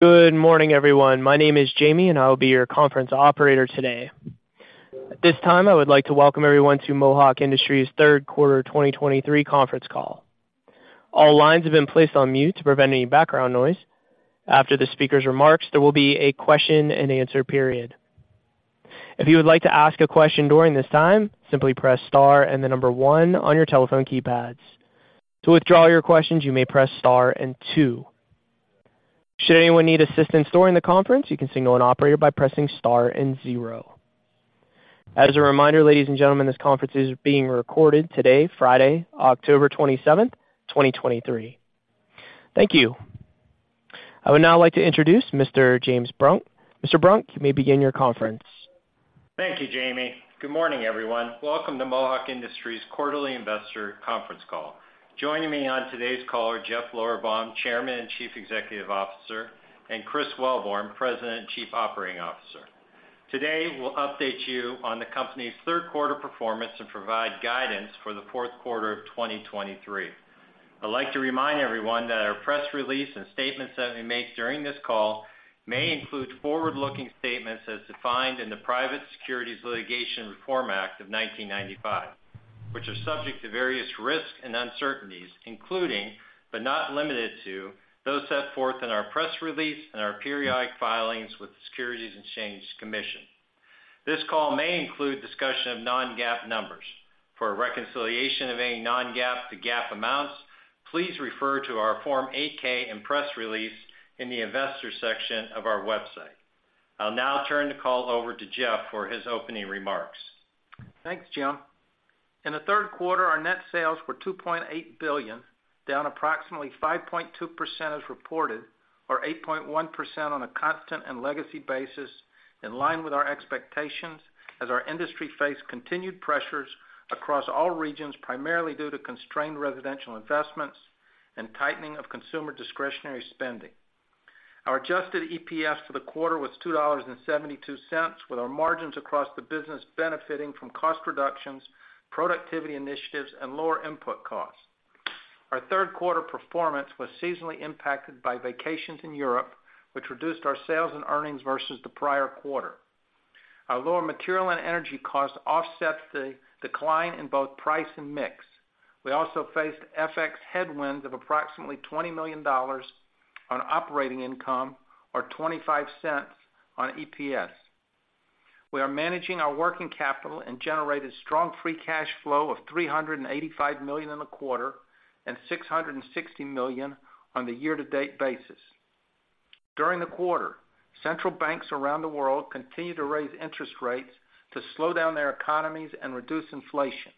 Good morning, everyone. My name is Jamie, and I will be your conference operator today. At this time, I would like to welcome everyone to Mohawk Industries' Q3 2023 Conference Call. All lines have been placed on mute to prevent any background noise. After the speaker's remarks, there will be a question-and-answer period. If you would like to ask a question during this time, simply press Star and the number One on your telephone keypads. To withdraw your questions, you may press Star and Two. Should anyone need assistance during the conference, you can signal an operator by pressing Star and Zero. As a reminder, ladies and gentlemen, this conference is being recorded today, Friday, October 27, 2023. Thank you. I would now like to introduce Mr. James Brunk. Mr. Brunk, you may begin your conference. Thank you, Jamie. Good morning, everyone. Welcome to Mohawk Industries' Quarterly Investor Conference Call. Joining me on today's call are Jeff Lorberbaum, Chairman and Chief Executive Officer, and Chris Wellborn, President and Chief Operating Officer. Today, we'll update you on the company's Q3 performance and provide guidance for the Q4 of 2023. I'd like to remind everyone that our press release and statements that we make during this call may include forward-looking statements as defined in the Private Securities Litigation Reform Act of 1995, which are subject to various risks and uncertainties, including, but not limited to, those set forth in our press release and our periodic filings with the Securities and Exchange Commission. This call may include discussion of non-GAAP numbers. For a reconciliation of any non-GAAP to GAAP amounts, please refer to our Form 8-K and press release in the Investors section of our website. I'll now turn the call over to Jeff for his opening remarks. Thanks, Jim. In the Q3, our net sales were $2.8 billion, down approximately 5.2% as reported, or 8.1% on a constant and legacy basis, in line with our expectations as our industry faced continued pressures across all regions, primarily due to constrained residential investments and tightening of consumer discretionary spending. Our adjusted EPS for the quarter was $2.72, with our margins across the business benefiting from cost reductions, productivity initiatives, and lower input costs. Our Q3 performance was seasonally impacted by vacations in Europe, which reduced our sales and earnings versus the prior quarter. Our lower material and energy costs offset the decline in both price and mix. We also faced FX headwinds of approximately $20 million on operating income or $0.25 on EPS. We are managing our working capital and generated strong free cash flow of $385 million in the quarter and $660 million on the year-to-date basis. During the quarter, central banks around the world continued to raise interest rates to slow down their economies and reduce inflation.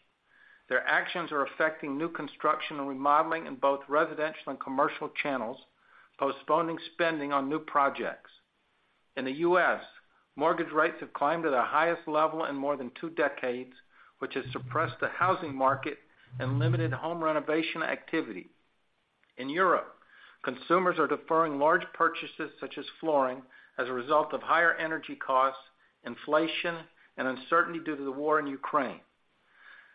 Their actions are affecting new construction and remodeling in both residential and commercial channels, postponing spending on new projects. In the US, mortgage rates have climbed to their highest level in more than two decades, which has suppressed the housing market and limited home renovation activity. In Europe, consumers are deferring large purchases, such as flooring, as a result of higher energy costs, inflation, and uncertainty due to the war in Ukraine.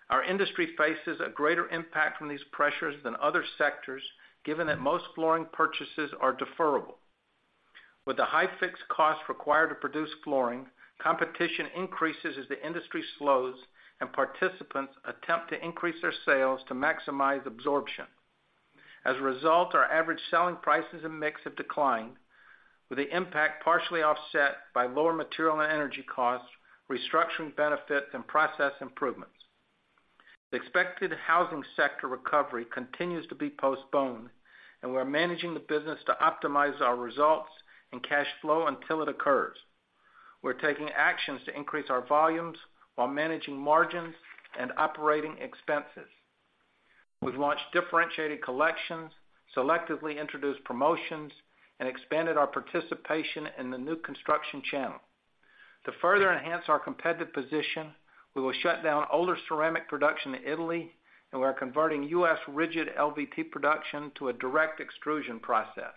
Our industry faces a greater impact from these pressures than other sectors, given that most flooring purchases are deferrable. With the high fixed costs required to produce flooring, competition increases as the industry slows and participants attempt to increase their sales to maximize absorption. As a result, our average selling prices and mix have declined, with the impact partially offset by lower material and energy costs, restructuring benefits, and process improvements. The expected housing sector recovery continues to be postponed, and we are managing the business to optimize our results and cash flow until it occurs. We're taking actions to increase our volumes while managing margins and operating expenses. We've launched differentiated collections, selectively introduced promotions, and expanded our participation in the new construction channel. To further enhance our competitive position, we will shut down older ceramic production in Italy, and we are converting US rigid LVT production to a direct extrusion process.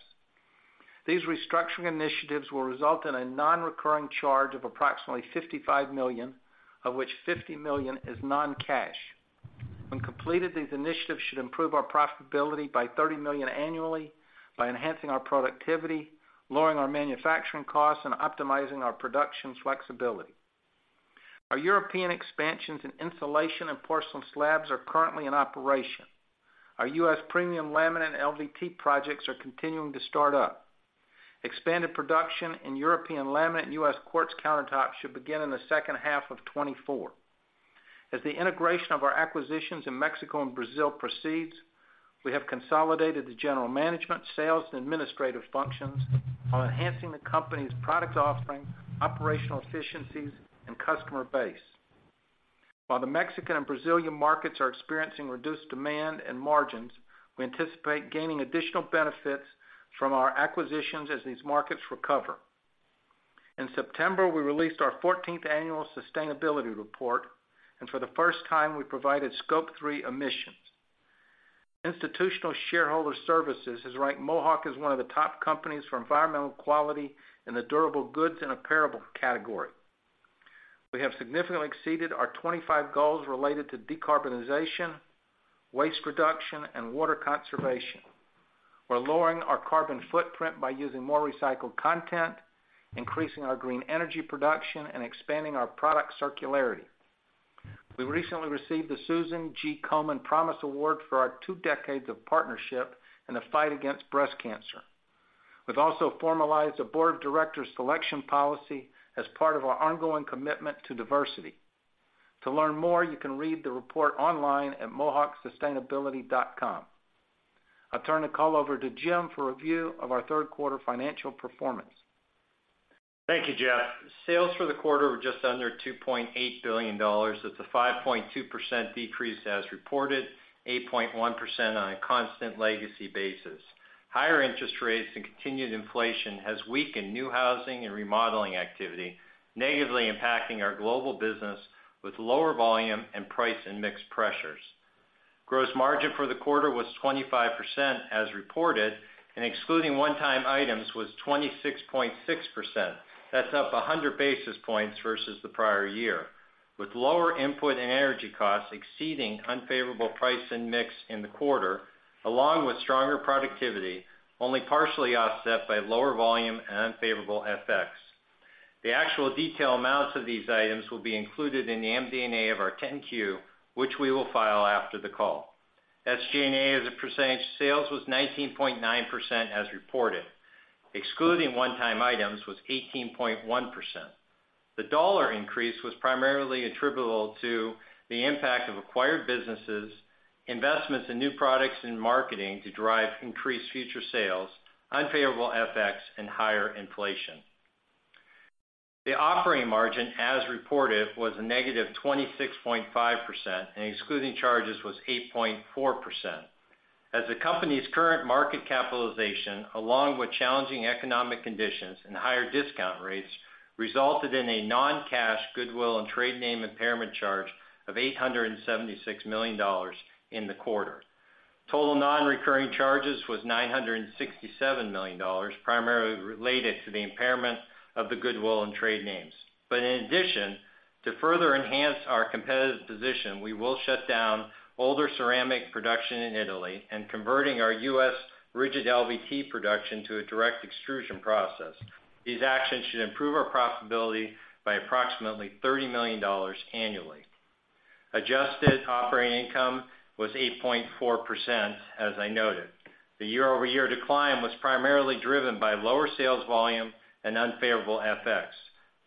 These restructuring initiatives will result in a non-recurring charge of approximately $55 million, of which $50 million is non-cash. When completed, these initiatives should improve our profitability by $30 million annually by enhancing our productivity, lowering our manufacturing costs, and optimizing our production flexibility. Our European expansions in insulation and porcelain slabs are currently in operation. Our US premium laminate and LVT projects are continuing to start up. Expanded production in European laminate and US quartz countertops should begin in the second half of 2024. As the integration of our acquisitions in Mexico and Brazil proceeds, we have consolidated the general management, sales, and administrative functions while enhancing the company's product offering, operational efficiencies, and customer base. While the Mexican and Brazilian markets are experiencing reduced demand and margins, we anticipate gaining additional benefits from our acquisitions as these markets recover. In September, we released our fourteenth annual sustainability report, and for the first time, we provided Scope 3 emissions. Institutional Shareholder Services has ranked Mohawk as one of the top companies for environmental quality in the durable goods and apparel category. We have significantly exceeded our 25 goals related to decarbonization, waste reduction, and water conservation. We're lowering our carbon footprint by using more recycled content, increasing our green energy production, and expanding our product circularity. We recently received the Susan G. Komen Promise Award for our two decades of partnership in the fight against breast cancer. We've also formalized a board of directors selection policy as part of our ongoing commitment to diversity. To learn more, you can read the report online at mohawksustainability.com. I'll turn the call over to Jim for a review of our Q3 financial performance. Thank you, Jeff. Sales for the quarter were just under $2.8 billion. That's a 5.2% decrease as reported, 8.1% on a constant legacy basis. Higher interest rates and continued inflation has weakened new housing and remodeling activity, negatively impacting our global business with lower volume and price and mix pressures. Gross margin for the quarter was 25% as reported, and excluding one-time items, was 26.6%. That's up 100 basis points versus the prior year, with lower input and energy costs exceeding unfavorable price and mix in the quarter, along with stronger productivity, only partially offset by lower volume and unfavorable FX. The actual detailed amounts of these items will be included in the MD&A of our 10-Q, which we will file after the call. SG&A as a percentage of sales was 19.9% as reported. Excluding one-time items, was 18.1%. The dollar increase was primarily attributable to the impact of acquired businesses, investments in new products and marketing to drive increased future sales, unfavorable FX, and higher inflation. The operating margin, as reported, was a negative 26.5%, and excluding charges, was 8.4%. As the company's current market capitalization, along with challenging economic conditions and higher discount rates, resulted in a non-cash goodwill and trade name impairment charge of $876 million in the quarter. Total non-recurring charges was $967 million, primarily related to the impairment of the goodwill and trade names. But in addition, to further enhance our competitive position, we will shut down older ceramic production in Italy and converting our US rigid LVT production to a direct extrusion process. These actions should improve our profitability by approximately $30 million annually. Adjusted operating income was 8.4%, as I noted. The year-over-year decline was primarily driven by lower sales volume and unfavorable FX,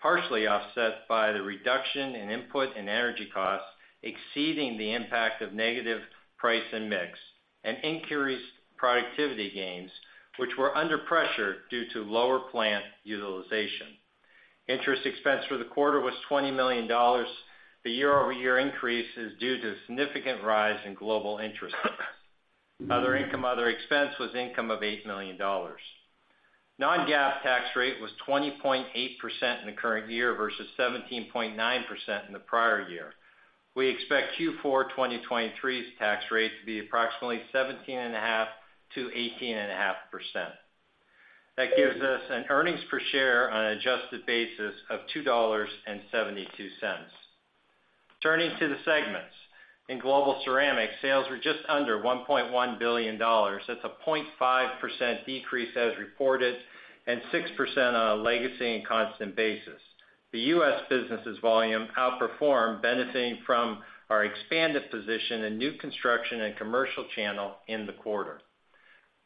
partially offset by the reduction in input and energy costs, exceeding the impact of negative price and mix, and increased productivity gains, which were under pressure due to lower plant utilization. Interest expense for the quarter was $20 million. The year-over-year increase is due to a significant rise in global interest costs. Other income, other expense was income of $8 million. Non-GAAP tax rate was 20.8% in the current year versus 17.9% in the prior year. We expect Q4 2023's tax rate to be approximately 17.5%-18.5%. That gives us an EPS on an adjusted basis of $2.72. Turning to the segments. In Global Ceramic, sales were just under $1.1 billion. That's a 0.5% decrease as reported, and 6% on a legacy and constant basis. The US businesses volume outperformed, benefiting from our expanded position in new construction and commercial channel in the quarter.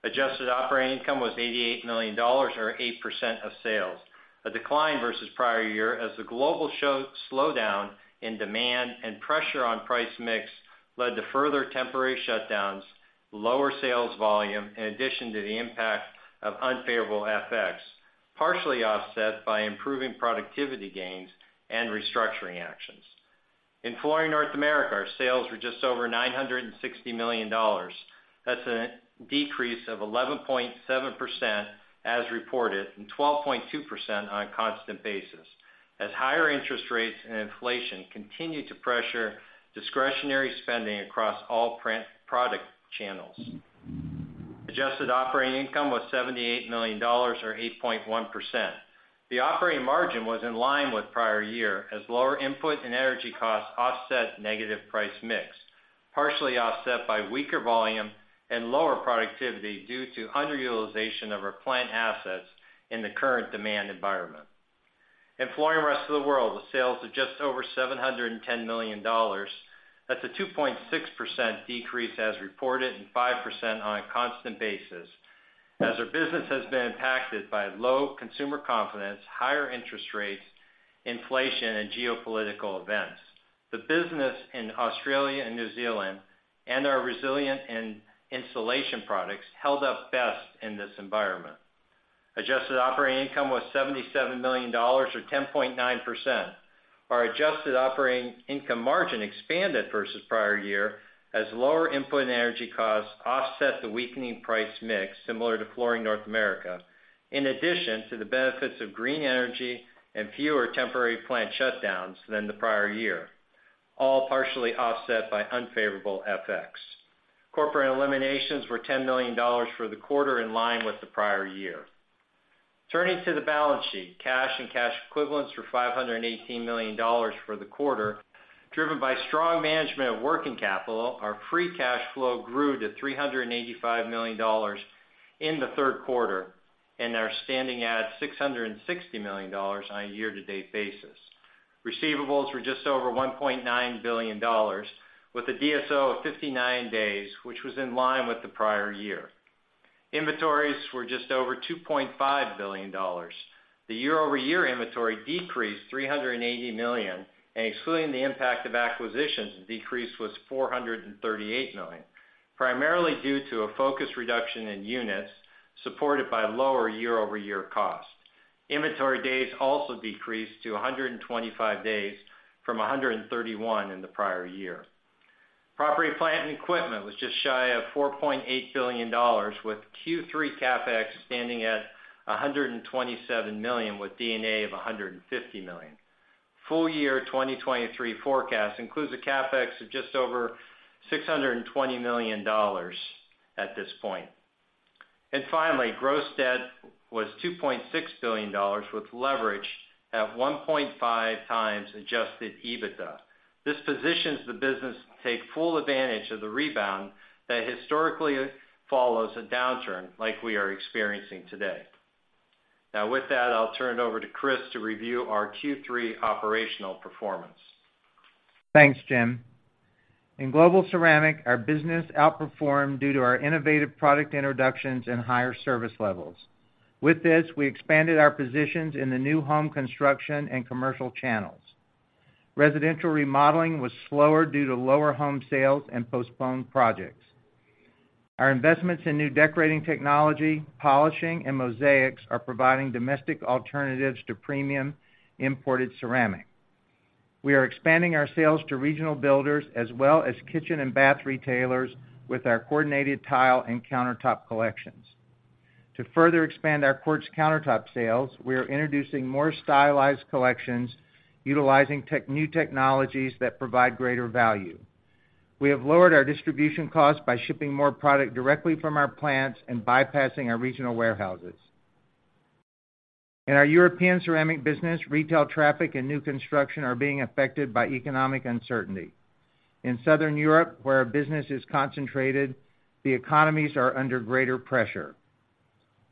Adjusted operating income was $88 million or 8% of sales, a decline versus prior year as the global slowdown in demand and pressure on price mix led to further temporary shutdowns, lower sales volume, in addition to the impact of unfavorable FX, partially offset by improving productivity gains and restructuring actions. In Flooring North America, our sales were just over $960 million. That's a decrease of 11.7% as reported, and 12.2% on a constant basis, as higher interest rates and inflation continued to pressure discretionary spending across all print product channels. Adjusted operating income was $78 million or 8.1%. The operating margin was in line with prior year as lower input and energy costs offset negative price mix, partially offset by weaker volume and lower productivity due to underutilization of our plant assets in the current demand environment. In Flooring Rest of the World, the sales are just over $710 million. That's a 2.6% decrease as reported, and 5% on a constant basis, as our business has been impacted by low consumer confidence, higher interest rates, inflation, and geopolitical events. The business in Australia and New Zealand, and our resilient and insulation products, held up best in this environment. Adjusted operating income was $77 million, or 10.9%. Our adjusted operating income margin expanded versus prior year, as lower input and energy costs offset the weakening price mix, similar to Flooring North America, in addition to the benefits of green energy and fewer temporary plant shutdowns than the prior year, all partially offset by unfavorable FX. Corporate eliminations were $10 million for the quarter, in line with the prior year. Turning to the balance sheet, cash and cash equivalents were $518 million for the quarter, driven by strong management of working capital. Our free cash flow grew to $385 million in the Q3, and are standing at $660 million on a year-to-date basis. Receivables were just over $1.9 billion, with a DSO of 59 days, which was in line with the prior year. Inventories were just over $2.5 billion. The year-over-year inventory decreased $380 million, and excluding the impact of acquisitions, the decrease was $438 million, primarily due to a focused reduction in units, supported by lower year-over-year costs. Inventory days also decreased to 125 days from 131 in the prior year. Property, plant, and equipment was just shy of $4.8 billion, with Q3 CapEx standing at $127 million, with D&A of $150 million. Full year 2023 forecast includes a CapEx of just over $620 million at this point. And finally, gross debt was $2.6 billion, with leverage at 1.5x adjusted EBITDA. This positions the business to take full advantage of the rebound that historically follows a downturn like we are experiencing today. Now, with that, I'll turn it over to Chris to review our Q3 operational performance. Thanks, Jim. In Global Ceramic, our business outperformed due to our innovative product introductions and higher service levels. With this, we expanded our positions in the new home construction and commercial channels. Residential remodeling was slower due to lower home sales and postponed projects. Our investments in new decorating technology, polishing, and mosaics are providing domestic alternatives to premium imported ceramic. We are expanding our sales to regional builders, as well as kitchen and bath retailers, with our coordinated tile and countertop collections. To further expand our quartz countertop sales, we are introducing more stylized collections, utilizing new technologies that provide greater value. We have lowered our distribution costs by shipping more product directly from our plants and bypassing our regional warehouses. In our European ceramic business, retail traffic and new construction are being affected by economic uncertainty. In Southern Europe, where our business is concentrated, the economies are under greater pressure.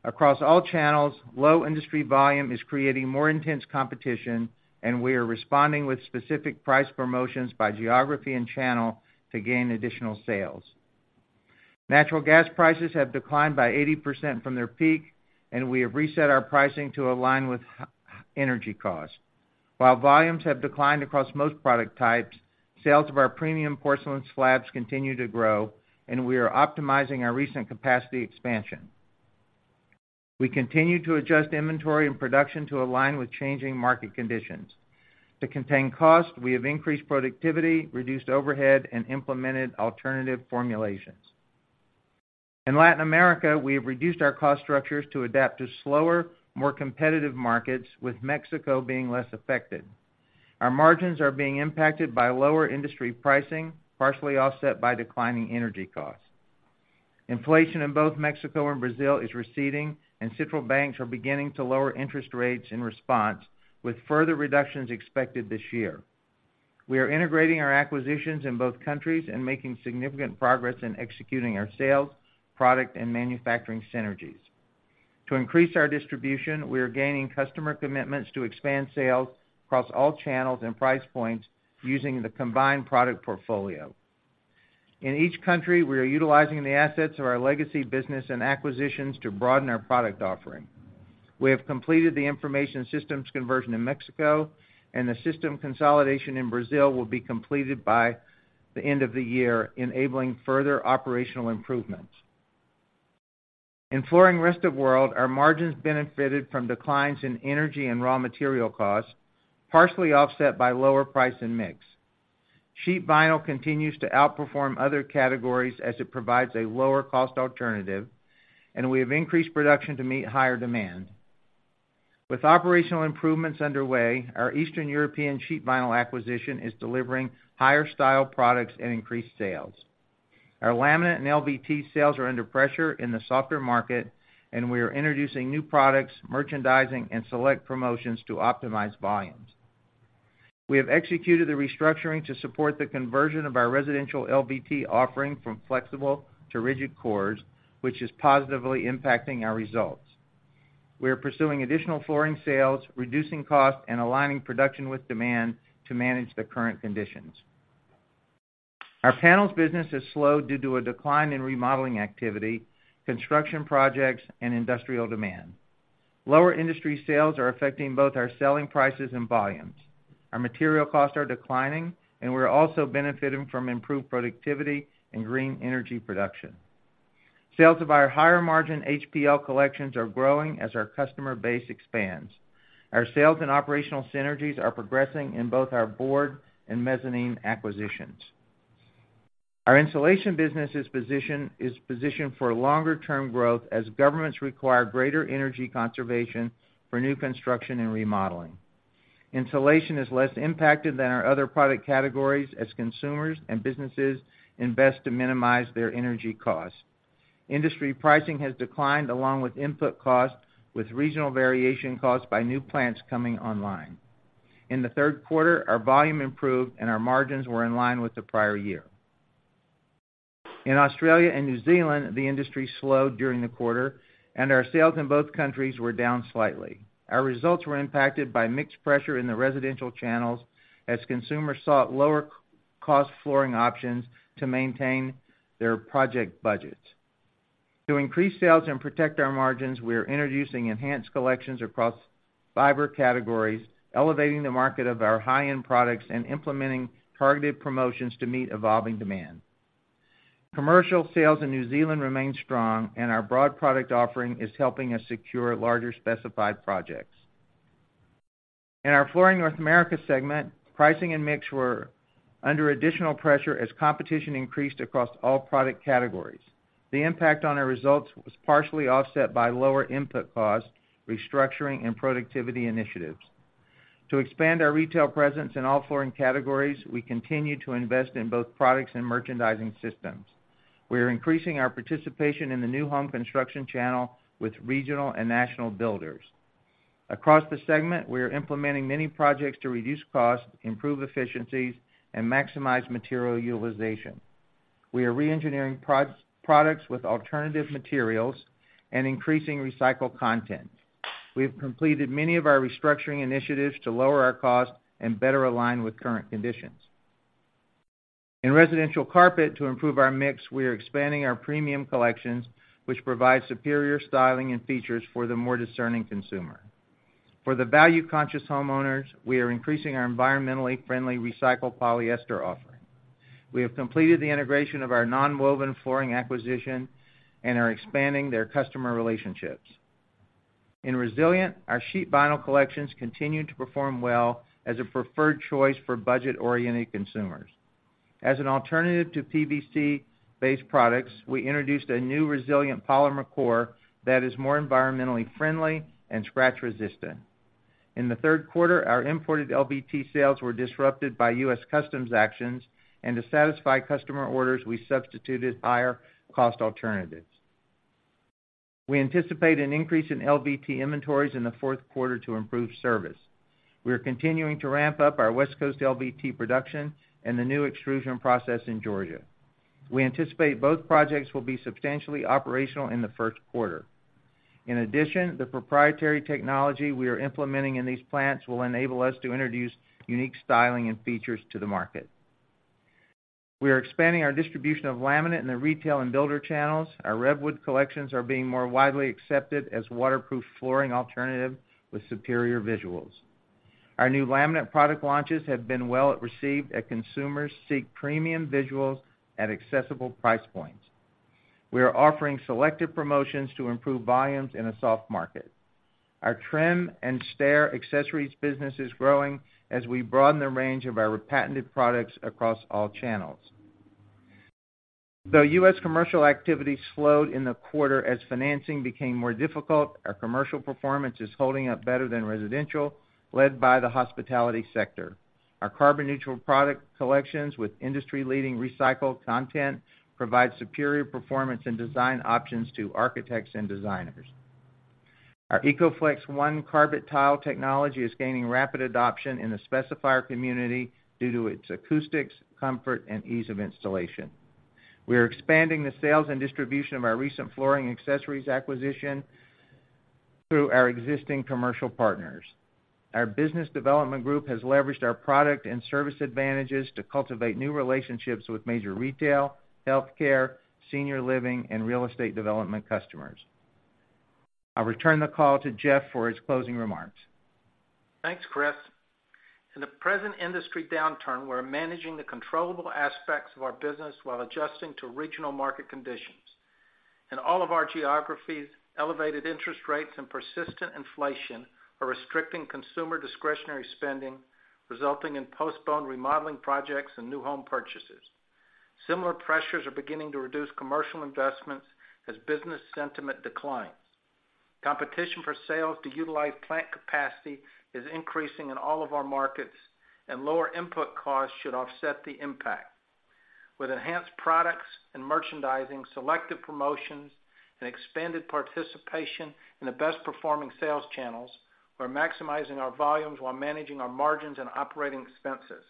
Across all channels, low industry volume is creating more intense competition, and we are responding with specific price promotions by geography and channel to gain additional sales. Natural gas prices have declined by 80% from their peak, and we have reset our pricing to align with lower energy costs. While volumes have declined across most product types, sales of our premium Porcelain Slabs continue to grow, and we are optimizing our recent capacity expansion. We continue to adjust inventory and production to align with changing market conditions. To contain costs, we have increased productivity, reduced overhead, and implemented alternative formulations. In Latin America, we have reduced our cost structures to adapt to slower, more competitive markets, with Mexico being less affected. Our margins are being impacted by lower industry pricing, partially offset by declining energy costs. Inflation in both Mexico and Brazil is receding, and central banks are beginning to lower interest rates in response, with further reductions expected this year. We are integrating our acquisitions in both countries and making significant progress in executing our sales, product, and manufacturing synergies. To increase our distribution, we are gaining customer commitments to expand sales across all channels and price points using the combined product portfolio. In each country, we are utilizing the assets of our legacy business and acquisitions to broaden our product offering. We have completed the information systems conversion in Mexico, and the system consolidation in Brazil will be completed by the end of the year, enabling further operational improvements. In Flooring Rest of World, our margins benefited from declines in energy and raw material costs, partially offset by lower price and mix. Sheet vinyl continues to outperform other categories as it provides a lower cost alternative, and we have increased production to meet higher demand. With operational improvements underway, our Eastern European sheet vinyl acquisition is delivering higher style products and increased sales. Our laminate and LVT sales are under pressure in the softer market, and we are introducing new products, merchandising, and select promotions to optimize volumes. We have executed the restructuring to support the conversion of our residential LVT offering from flexible to rigid cores, which is positively impacting our results. We are pursuing additional flooring sales, reducing costs, and aligning production with demand to manage the current conditions. Our panels business has slowed due to a decline in remodeling activity, construction projects, and industrial demand. Lower industry sales are affecting both our selling prices and volumes. Our material costs are declining, and we're also benefiting from improved productivity and green energy production. Sales of our higher-margin HPL collections are growing as our customer base expands. Our sales and operational synergies are progressing in both our board and mezzanine acquisitions. Our insulation business is positioned for longer-term growth as governments require greater energy conservation for new construction and remodeling. Insulation is less impacted than our other product categories as consumers and businesses invest to minimize their energy costs. Industry pricing has declined along with input costs, with regional variation caused by new plants coming online. In the Q3, our volume improved and our margins were in line with the prior year. In Australia and New Zealand, the industry slowed during the quarter, and our sales in both countries were down slightly. Our results were impacted by mixed pressure in the residential channels as consumers sought lower-cost flooring options to maintain their project budgets. To increase sales and protect our margins, we are introducing enhanced collections across fiber categories, elevating the market of our high-end products, and implementing targeted promotions to meet evolving demand. Commercial sales in New Zealand remain strong, and our broad product offering is helping us secure larger specified projects. In our Flooring North America segment, pricing and mix were under additional pressure as competition increased across all product categories. The impact on our results was partially offset by lower input costs, restructuring, and productivity initiatives. To expand our retail presence in all flooring categories, we continue to invest in both products and merchandising systems. We are increasing our participation in the new home construction channel with regional and national builders. Across the segment, we are implementing many projects to reduce costs, improve efficiencies, and maximize material utilization. We are reengineering products with alternative materials and increasing recycled content. We have completed many of our restructuring initiatives to lower our costs and better align with current conditions. In residential carpet, to improve our mix, we are expanding our premium collections, which provide superior styling and features for the more discerning consumer. For the value-conscious homeowners, we are increasing our environmentally friendly recycled polyester offering. We have completed the integration of our nonwoven flooring acquisition and are expanding their customer relationships. In resilient, our sheet vinyl collections continued to perform well as a preferred choice for budget-oriented consumers. As an alternative to PVC-based products, we introduced a new resilient polymer core that is more environmentally friendly and scratch-resistant. In the Q3, our imported LVT sales were disrupted by US Customs actions, and to satisfy customer orders, we substituted higher-cost alternatives. We anticipate an increase in LVT inventories in the Q4 to improve service. We are continuing to ramp up our West Coast LVT production and the new extrusion process in Georgia. We anticipate both projects will be substantially operational in the Q1. In addition, the proprietary technology we are implementing in these plants will enable us to introduce unique styling and features to the market. We are expanding our distribution of laminate in the retail and builder channels. Our RevWood collections are being more widely accepted as a waterproof flooring alternative with superior visuals. Our new laminate product launches have been well received as consumers seek premium visuals at accessible price points. We are offering selective promotions to improve volumes in a soft market. Our trim and stair accessories business is growing as we broaden the range of our patented products across all channels. Though US commercial activity slowed in the quarter as financing became more difficult, our commercial performance is holding up better than residential, led by the hospitality sector. Our carbon-neutral product collections, with industry-leading recycled content, provide superior performance and design options to architects and designers. Our EcoFlex ONE carpet tile technology is gaining rapid adoption in the specifier community due to its acoustics, comfort, and ease of installation. We are expanding the sales and distribution of our recent flooring accessories acquisition through our existing commercial partners. Our business development group has leveraged our product and service advantages to cultivate new relationships with major retail, healthcare, senior living, and real estate development customers. I'll return the call to Jeff for his closing remarks. Thanks, Chris. In the present industry downturn, we're managing the controllable aspects of our business while adjusting to regional market conditions. In all of our geographies, elevated interest rates and persistent inflation are restricting consumer discretionary spending, resulting in postponed remodeling projects and new home purchases. Similar pressures are beginning to reduce commercial investments as business sentiment declines. Competition for sales to utilize plant capacity is increasing in all of our markets, and lower input costs should offset the impact. With enhanced products and merchandising, selective promotions, and expanded participation in the best-performing sales channels, we're maximizing our volumes while managing our margins and operating expenses.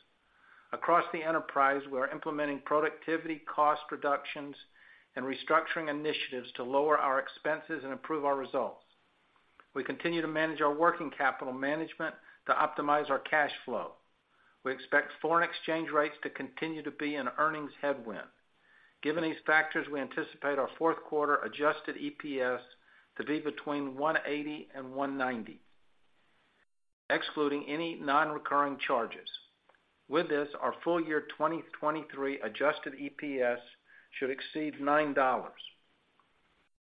Across the enterprise, we are implementing productivity, cost reductions, and restructuring initiatives to lower our expenses and improve our results. We continue to manage our working capital management to optimize our cash flow. We expect foreign exchange rates to continue to be an earnings headwind. Given these factors, we anticipate our Q4 adjusted EPS to be between $1.80 and $1.90, excluding any non-recurring charges. With this, our full year 2023 adjusted EPS should exceed $9.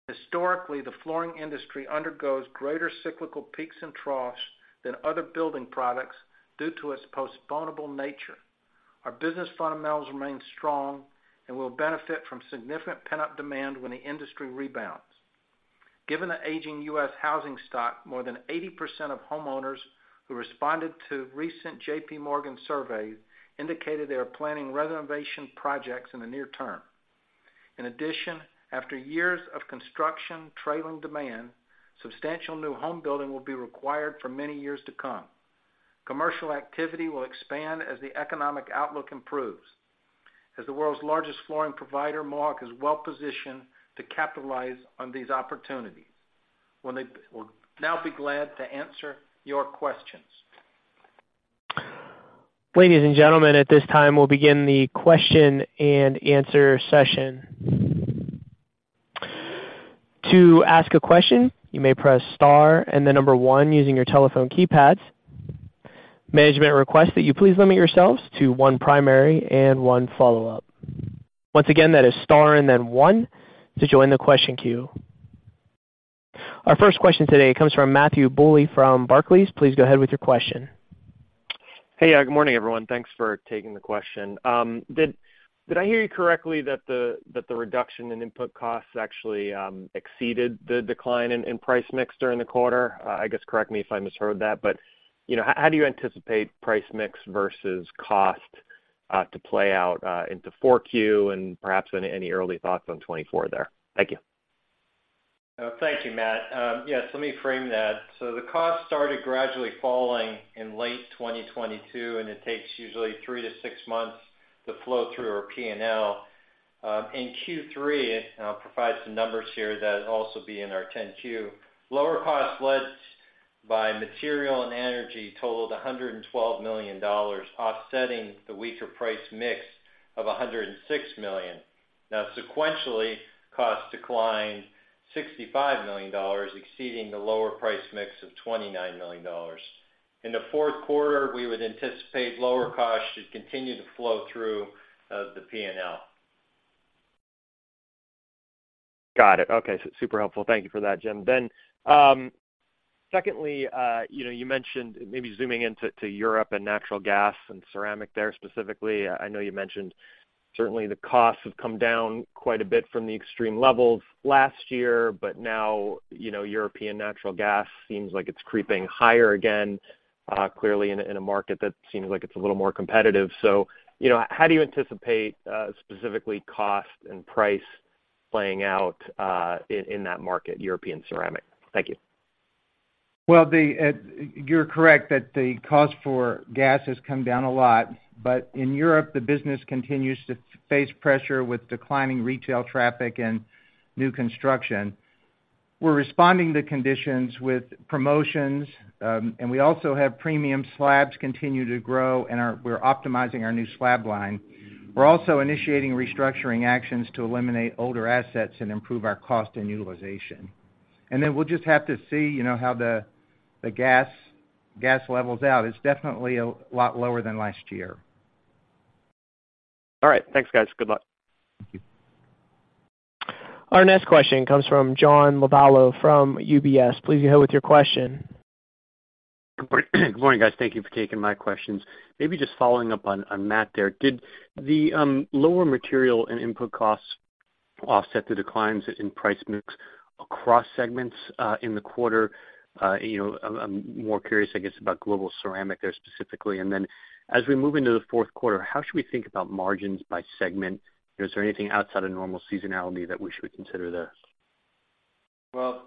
Historically, the flooring industry undergoes greater cyclical peaks and troughs than other building products due to its postponable nature. Our business fundamentals remain strong and will benefit from significant pent-up demand when the industry rebounds.... Given the aging US housing stock, more than 80% of homeowners who responded to recent JP Morgan surveys indicated they are planning renovation projects in the near term. In addition, after years of construction trailing demand, substantial new home building will be required for many years to come. Commercial activity will expand as the economic outlook improves. As the world's largest flooring provider, Mohawk is well-positioned to capitalize on these opportunities. Well, we'll now be glad to answer your questions. Ladies and gentlemen, at this time, we'll begin the question and answer session. To ask a question, you may press star and then number one, using your telephone keypads. Management request that you please limit yourselves to one primary and one follow-up. Once again, that is star and then one to join the question queue. Our first question today comes from Matthew Bouley from Barclays. Please go ahead with your question. Hey, good morning, everyone. Thanks for taking the question. Did I hear you correctly, that the reduction in input costs actually exceeded the decline in price mix during the quarter? I guess, correct me if I misheard that, but, you know, how do you anticipate price mix versus cost to play out into Q4 and perhaps any early thoughts on 2024 there? Thank you. Thank you, Matt. Yes, let me frame that. So the cost started gradually falling in late 2022, and it takes usually three to six months to flow through our P&L. In Q3, and I'll provide some numbers here that also be in our 10-Q, lower costs led by material and energy totaled $112 million, offsetting the weaker price mix of $106 million. Now, sequentially, costs declined $65 million, exceeding the lower price mix of $29 million. In the Q4, we would anticipate lower costs should continue to flow through, the P&L. Got it. Okay, super helpful. Thank you for that, Jim. Then, secondly, you know, you mentioned maybe zooming into to Europe and natural gas and ceramic there specifically. I know you mentioned certainly the costs have come down quite a bit from the extreme levels last year, but now, you know, European natural gas seems like it's creeping higher again, clearly in a market that seems like it's a little more competitive. So, you know, how do you anticipate specifically cost and price playing out in that market, European ceramic? Thank you. Well, you're correct that the cost for gas has come down a lot, but in Europe, the business continues to face pressure with declining retail traffic and new construction. We're responding to conditions with promotions, and we also have premium slabs continue to grow, and we're optimizing our new slab line. We're also initiating restructuring actions to eliminate older assets and improve our cost and utilization. And then we'll just have to see, you know, how the gas levels out. It's definitely a lot lower than last year. All right. Thanks, guys. Good luck. Thank you. Our next question comes from John Lovallo from UBS. Please go ahead with your question. Good morning, guys. Thank you for taking my questions. Maybe just following up on, on Matt there. Did the lower material and input costs offset the declines in price mix across segments in the quarter? You know, I'm more curious, I guess, about Global Ceramic there, specifically. And then as we move into the Q4, how should we think about margins by segment? Is there anything outside of normal seasonality that we should consider there? Well,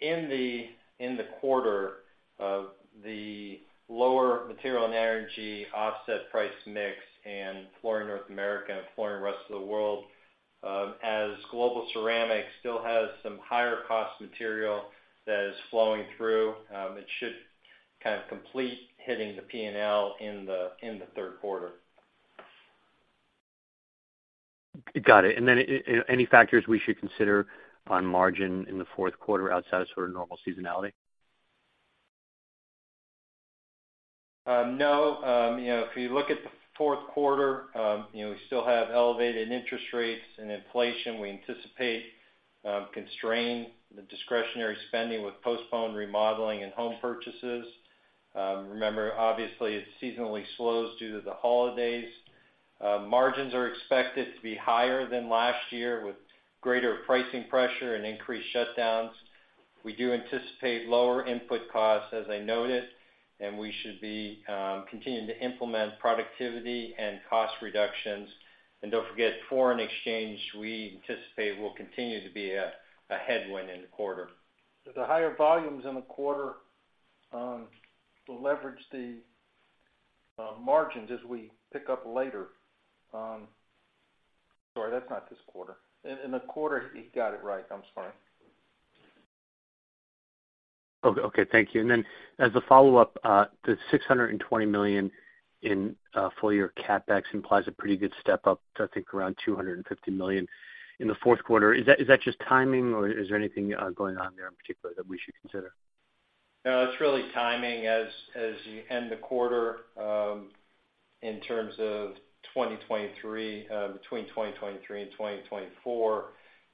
in the quarter, the lower material and energy offset price mix in Flooring North America and Flooring Rest of the World, as Global Ceramic still has some higher cost material that is flowing through, it should kind of complete hitting the P&L in the Q3. Got it. And then, any factors we should consider on margin in the Q4 outside of sort of normal seasonality? No, you know, if you look at the Q4, you know, we still have elevated interest rates and inflation. We anticipate constrain the discretionary spending with postponed remodeling and home purchases. Remember, obviously, it seasonally slows due to the holidays. Margins are expected to be higher than last year, with greater pricing pressure and increased shutdowns. We do anticipate lower input costs, as I noted, and we should be continuing to implement productivity and cost reductions. And don't forget, foreign exchange, we anticipate will continue to be a headwind in the quarter. The higher volumes in the quarter will leverage the margins as we pick up later. Sorry, that's not this quarter. In the quarter, he got it right. I'm sorry. Okay, thank you. And then as a follow-up, the $620 million in full year CapEx implies a pretty good step up to, I think, around $250 million in the Q4. Is that, is that just timing, or is there anything going on there in particular that we should consider? No, it's really timing. As you end the quarter, in terms of 2023, between 2023 and 2024,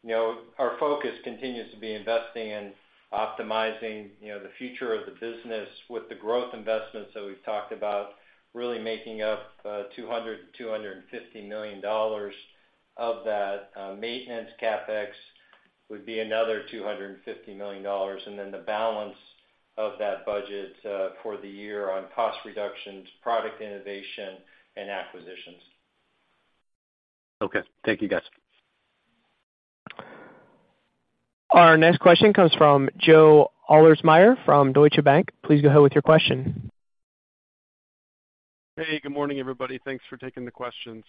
you know, our focus continues to be investing in optimizing, you know, the future of the business with the growth investments that we've talked about, really making up $200-250 million of that, maintenance CapEx would be another $250 million, and then the balance of that budget for the year on cost reductions, product innovation, and acquisitions. Okay. Thank you, guys. Our next question comes from Joe Ahlersmeyer from Deutsche Bank. Please go ahead with your question. Hey, good morning, everybody. Thanks for taking the questions.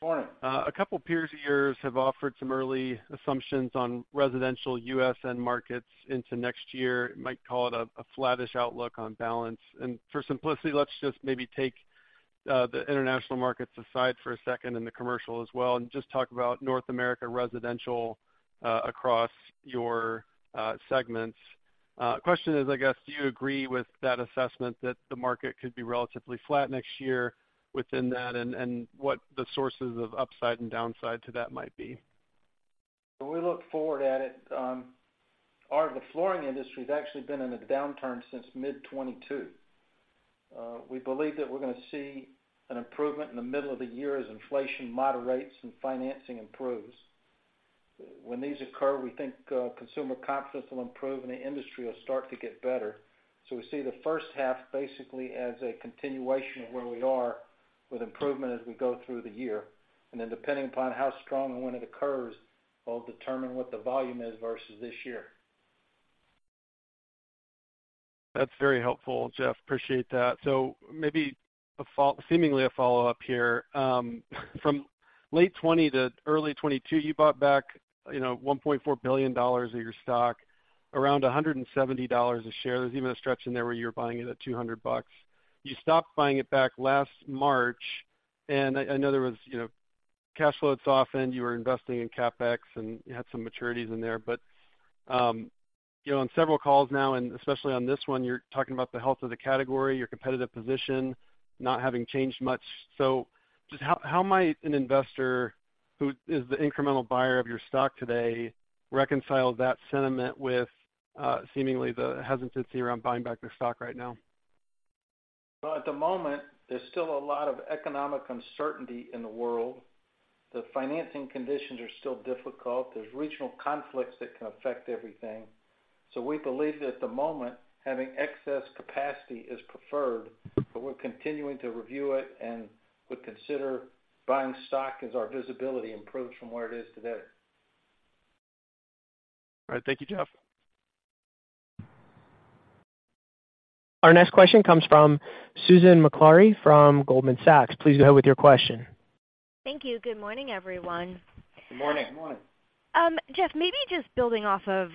Good morning. A couple peers of yours have offered some early assumptions on residential US end markets into next year, might call it a, a flattish outlook on balance. For simplicity, let's just maybe take the international markets aside for a second, and the commercial as well, and just talk about North America residential, across your segments. Question is, I guess, do you agree with that assessment that the market could be relatively flat next year within that, and what the sources of upside and downside to that might be? When we look forward at it, the flooring industry has actually been in a downturn since mid-2022. We believe that we're gonna see an improvement in the middle of the year as inflation moderates and financing improves. When these occur, we think, consumer confidence will improve, and the industry will start to get better. So we see the first half basically as a continuation of where we are, with improvement as we go through the year. And then, depending upon how strong and when it occurs, we'll determine what the volume is versus this year. That's very helpful, Jeff. Appreciate that. So maybe a follow-up here. From late 2020 to early 2022, you bought back, you know, $1.4 billion of your stock, around $170 a share. There's even a stretch in there where you were buying it at $200. You stopped buying it back last March, and I know there was, you know, cash flow softened, you were investing in CapEx, and you had some maturities in there. But, you know, on several calls now, and especially on this one, you're talking about the health of the category, your competitive position not having changed much. So just how might an investor, who is the incremental buyer of your stock today, reconcile that sentiment with seemingly the hesitancy around buying back their stock right now? Well, at the moment, there's still a lot of economic uncertainty in the world. The financing conditions are still difficult. There's regional conflicts that can affect everything. So we believe that at the moment, having excess capacity is preferred, but we're continuing to review it and would consider buying stock as our visibility improves from where it is today. All right. Thank you, Jeff. Our next question comes from Susan Maklari from Goldman Sachs. Please go ahead with your question. Thank you. Good morning, everyone. Good morning. Good morning. Jeff, maybe just building off of,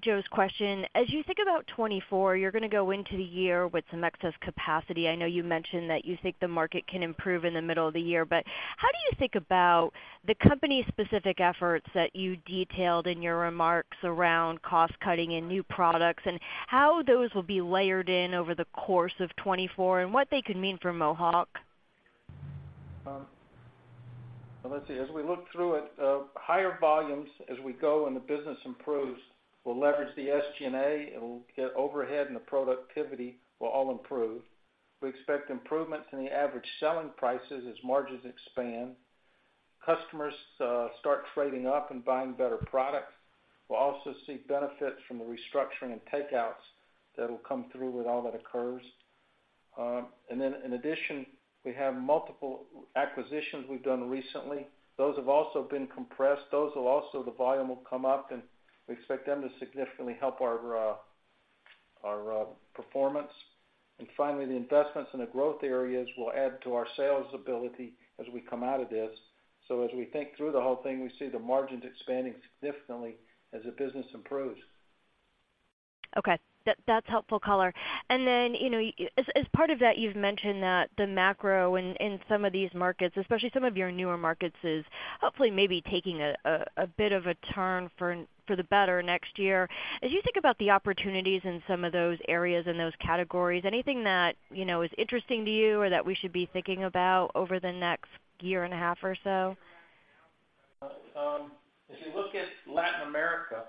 Joe's question. As you think about 2024, you're gonna go into the year with some excess capacity. I know you mentioned that you think the market can improve in the middle of the year, but how do you think about the company-specific efforts that you detailed in your remarks around cost-cutting and new products, and how those will be layered in over the course of 2024, and what they could mean for Mohawk? Well, let's see. As we look through it, higher volumes as we go and the business improves, we'll leverage the SG&A, it'll get overhead, and the productivity will all improve. We expect improvements in the average selling prices as margins expand. Customers start trading up and buying better products. We'll also see benefits from the restructuring and takeouts that'll come through when all that occurs. And then, in addition, we have multiple acquisitions we've done recently. Those have also been compressed. Those will also, the volume will come up, and we expect them to significantly help our performance. And finally, the investments in the growth areas will add to our sales ability as we come out of this. So as we think through the whole thing, we see the margins expanding significantly as the business improves. Okay. That's helpful color. And then, you know, as part of that, you've mentioned that the macro in some of these markets, especially some of your newer markets, is hopefully maybe taking a bit of a turn for the better next year. As you think about the opportunities in some of those areas and those categories, anything that, you know, is interesting to you or that we should be thinking about over the next year and a half or so? If you look at Latin America,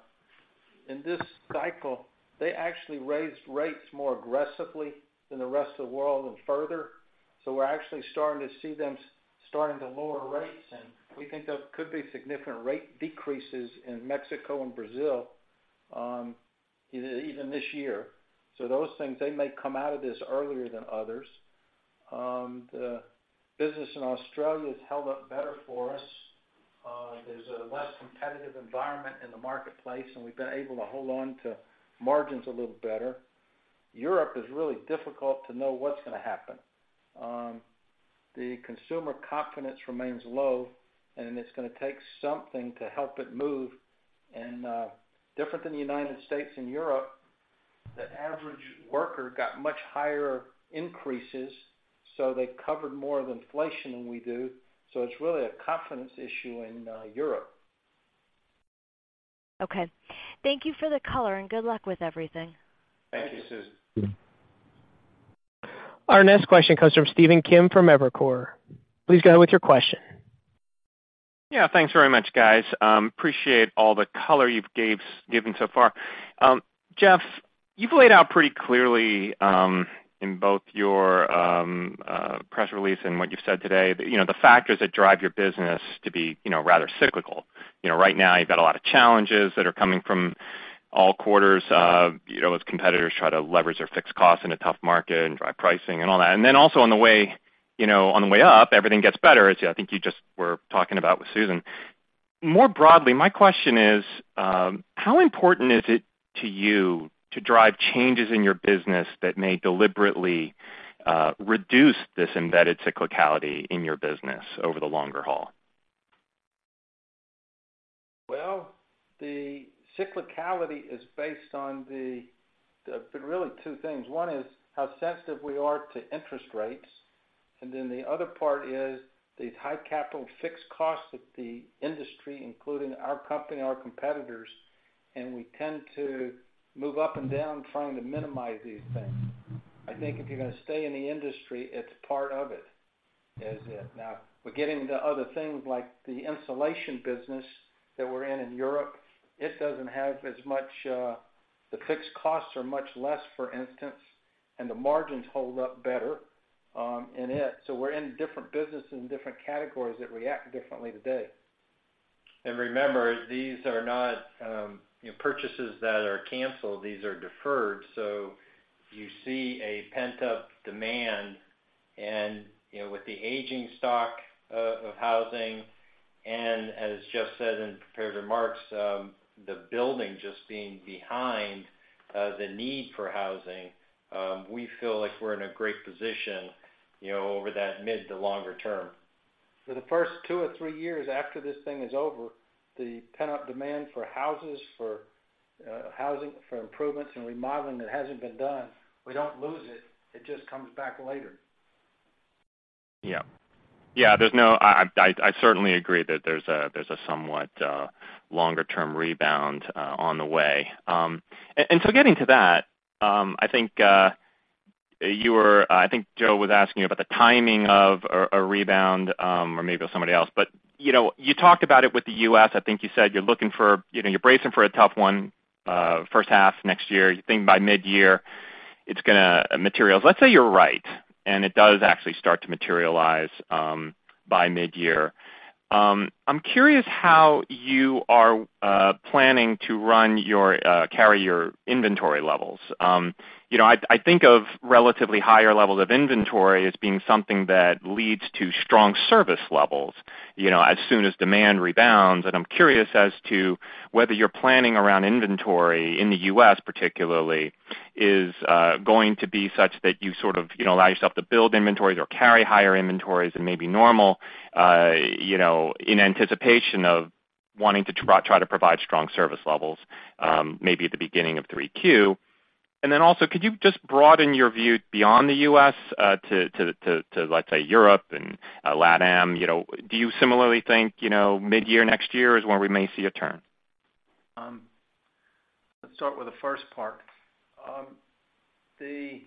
in this cycle, they actually raised rates more aggressively than the rest of the world and further, so we're actually starting to see them starting to lower rates, and we think there could be significant rate decreases in Mexico and Brazil, even this year. So those things, they may come out of this earlier than others. The business in Australia has held up better for us. There's a less competitive environment in the marketplace, and we've been able to hold on to margins a little better. Europe is really difficult to know what's gonna happen. The consumer confidence remains low, and it's gonna take something to help it move. Different than the United States and Europe, the average worker got much higher increases, so they covered more of inflation than we do, so it's really a confidence issue in Europe. Okay. Thank you for the color, and good luck with everything. Thank you, Susan. Our next question comes from Stephen Kim from Evercore. Please go ahead with your question. Yeah, thanks very much, guys. Appreciate all the color you've given so far. Jeff, you've laid out pretty clearly, in both your press release and what you've said today, you know, the factors that drive your business to be, you know, rather cyclical. You know, right now, you've got a lot of challenges that are coming from all quarters, you know, as competitors try to leverage their fixed costs in a tough market and drive pricing and all that. And then also on the way, you know, on the way up, everything gets better, as I think you just were talking about with Susan. More broadly, my question is, how important is it to you to drive changes in your business that may deliberately reduce this embedded cyclicality in your business over the longer haul? Well, the cyclicality is based on the really two things. One is how sensitive we are to interest rates, and then the other part is the high capital fixed costs of the industry, including our company, our competitors, and we tend to move up and down, trying to minimize these things. I think if you're gonna stay in the industry, it's part of it, is it. Now, we're getting into other things like the insulation business that we're in, in Europe. It doesn't have as much, the fixed costs are much less, for instance, and the margins hold up better, in it. So we're in different businesses and different categories that react differently today. Remember, these are not purchases that are canceled, these are deferred. So you see a pent-up demand, and, you know, with the aging stock of housing, and as Jeff said in prepared remarks, the building just being behind the need for housing, we feel like we're in a great position, you know, over that mid to longer term. For the first two or three years after this thing is over, the pent-up demand for houses, for, housing, for improvements and remodeling that hasn't been done, we don't lose it. It just comes back later. Yeah. Yeah, I certainly agree that there's a somewhat longer-term rebound on the way. And so getting to that, I think you were—I think Joe was asking you about the timing of a rebound, or maybe it was somebody else, but you know, you talked about it with the US I think you said you're looking for, you know, you're bracing for a tough one, first half next year. You think by mid-year, it's gonna materialize. Let's say you're right, and it does actually start to materialize by mid-year. I'm curious how you are planning to run your, carry your inventory levels. You know, I think of relatively higher levels of inventory as being something that leads to strong service levels, you know, as soon as demand rebounds. And I'm curious as to whether you're planning around inventory in the US, particularly is going to be such that you sort of, you know, allow yourself to build inventories or carry higher inventories than maybe normal, you know, in anticipation of wanting to try to provide strong service levels, maybe at the beginning of Q3. And then also, could you just broaden your view beyond the US to, to, to, let's say, Europe and LatAm? You know, do you similarly think, you know, mid-year, next year is when we may see a turn? Let's start with the first part. The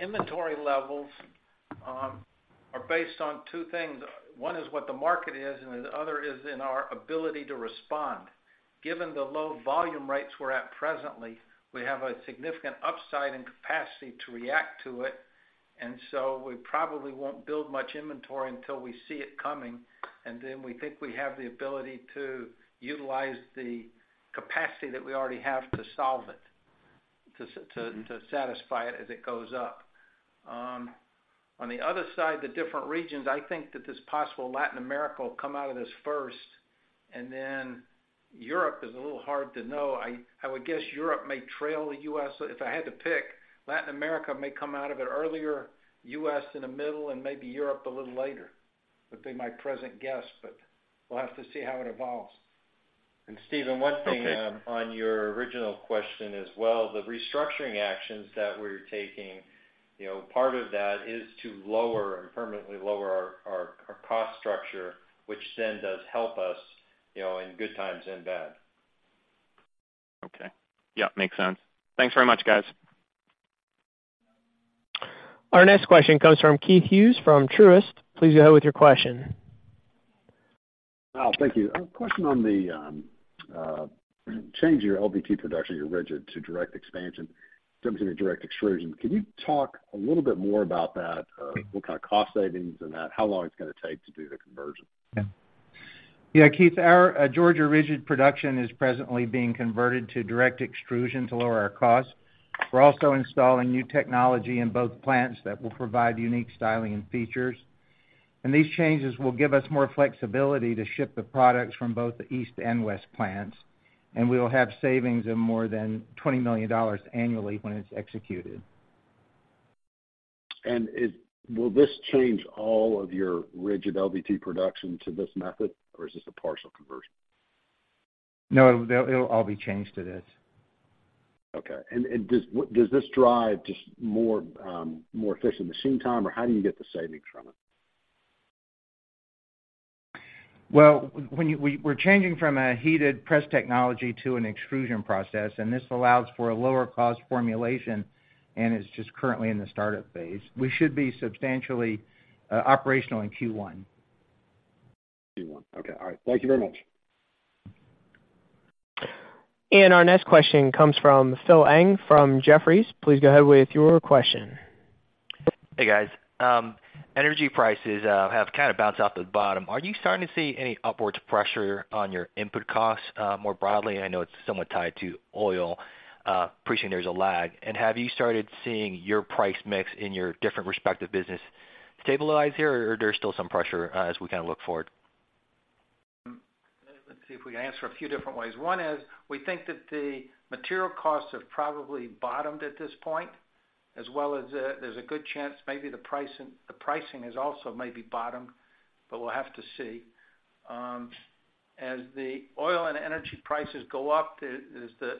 inventory levels are based on two things. One is what the market is, and the other is in our ability to respond. Given the low volume rates we're at presently, we have a significant upside and capacity to react to it, and so we probably won't build much inventory until we see it coming, and then we think we have the ability to utilize the capacity that we already have to solve it, to satisfy it as it goes up. On the other side, the different regions, I think that this possible Latin America will come out of this first, and then Europe is a little hard to know. I would guess Europe may trail the US If I had to pick, Latin America may come out of it earlier, US in the middle, and maybe Europe a little later. Would be my present guess, but we'll have to see how it evolves. Stephen, one thing- Okay... on your original question as well, the restructuring actions that we're taking, you know, part of that is to lower and permanently lower our, our cost structure, which then does help us, you know, in good times and bad. Okay. Yeah, makes sense. Thanks very much, guys. Our next question comes from Keith Hughes, from Truist. Please go ahead with your question. Oh, thank you. A question on the change your LVT production, your rigid to direct extrusion. Can you talk a little bit more about that? What kind of cost savings and that, how long it's gonna take to do the conversion? Yeah. Yeah, Keith, our Georgia rigid production is presently being converted to direct extrusion to lower our costs. We're also installing new technology in both plants that will provide unique styling and features. These changes will give us more flexibility to ship the products from both the East and West plants, and we will have savings of more than $20 million annually when it's executed. Will this change all of your rigid LVT production to this method, or is this a partial conversion? No, it'll all be changed to this. Okay. And does this drive just more efficient machine time, or how do you get the savings from it? Well, when we, we're changing from a heated press technology to an extrusion process, and this allows for a lower cost formulation, and it's just currently in the startup phase. We should be substantially operational in Q1. Q1. Okay. All right. Thank you very much. Our next question comes from Phil Ng from Jefferies. Please go ahead with your question. Hey, guys. Energy prices have kind of bounced off the bottom. Are you starting to see any upward pressure on your input costs, more broadly? I know it's somewhat tied to oil, appreciating there's a lag. Have you started seeing your price mix in your different respective business stabilize here, or there's still some pressure, as we kind of look forward? Let's see if we can answer a few different ways. One is, we think that the material costs have probably bottomed at this point, as well as, there's a good chance maybe the pricing has also maybe bottomed, but we'll have to see. As the oil and energy prices go up, it is the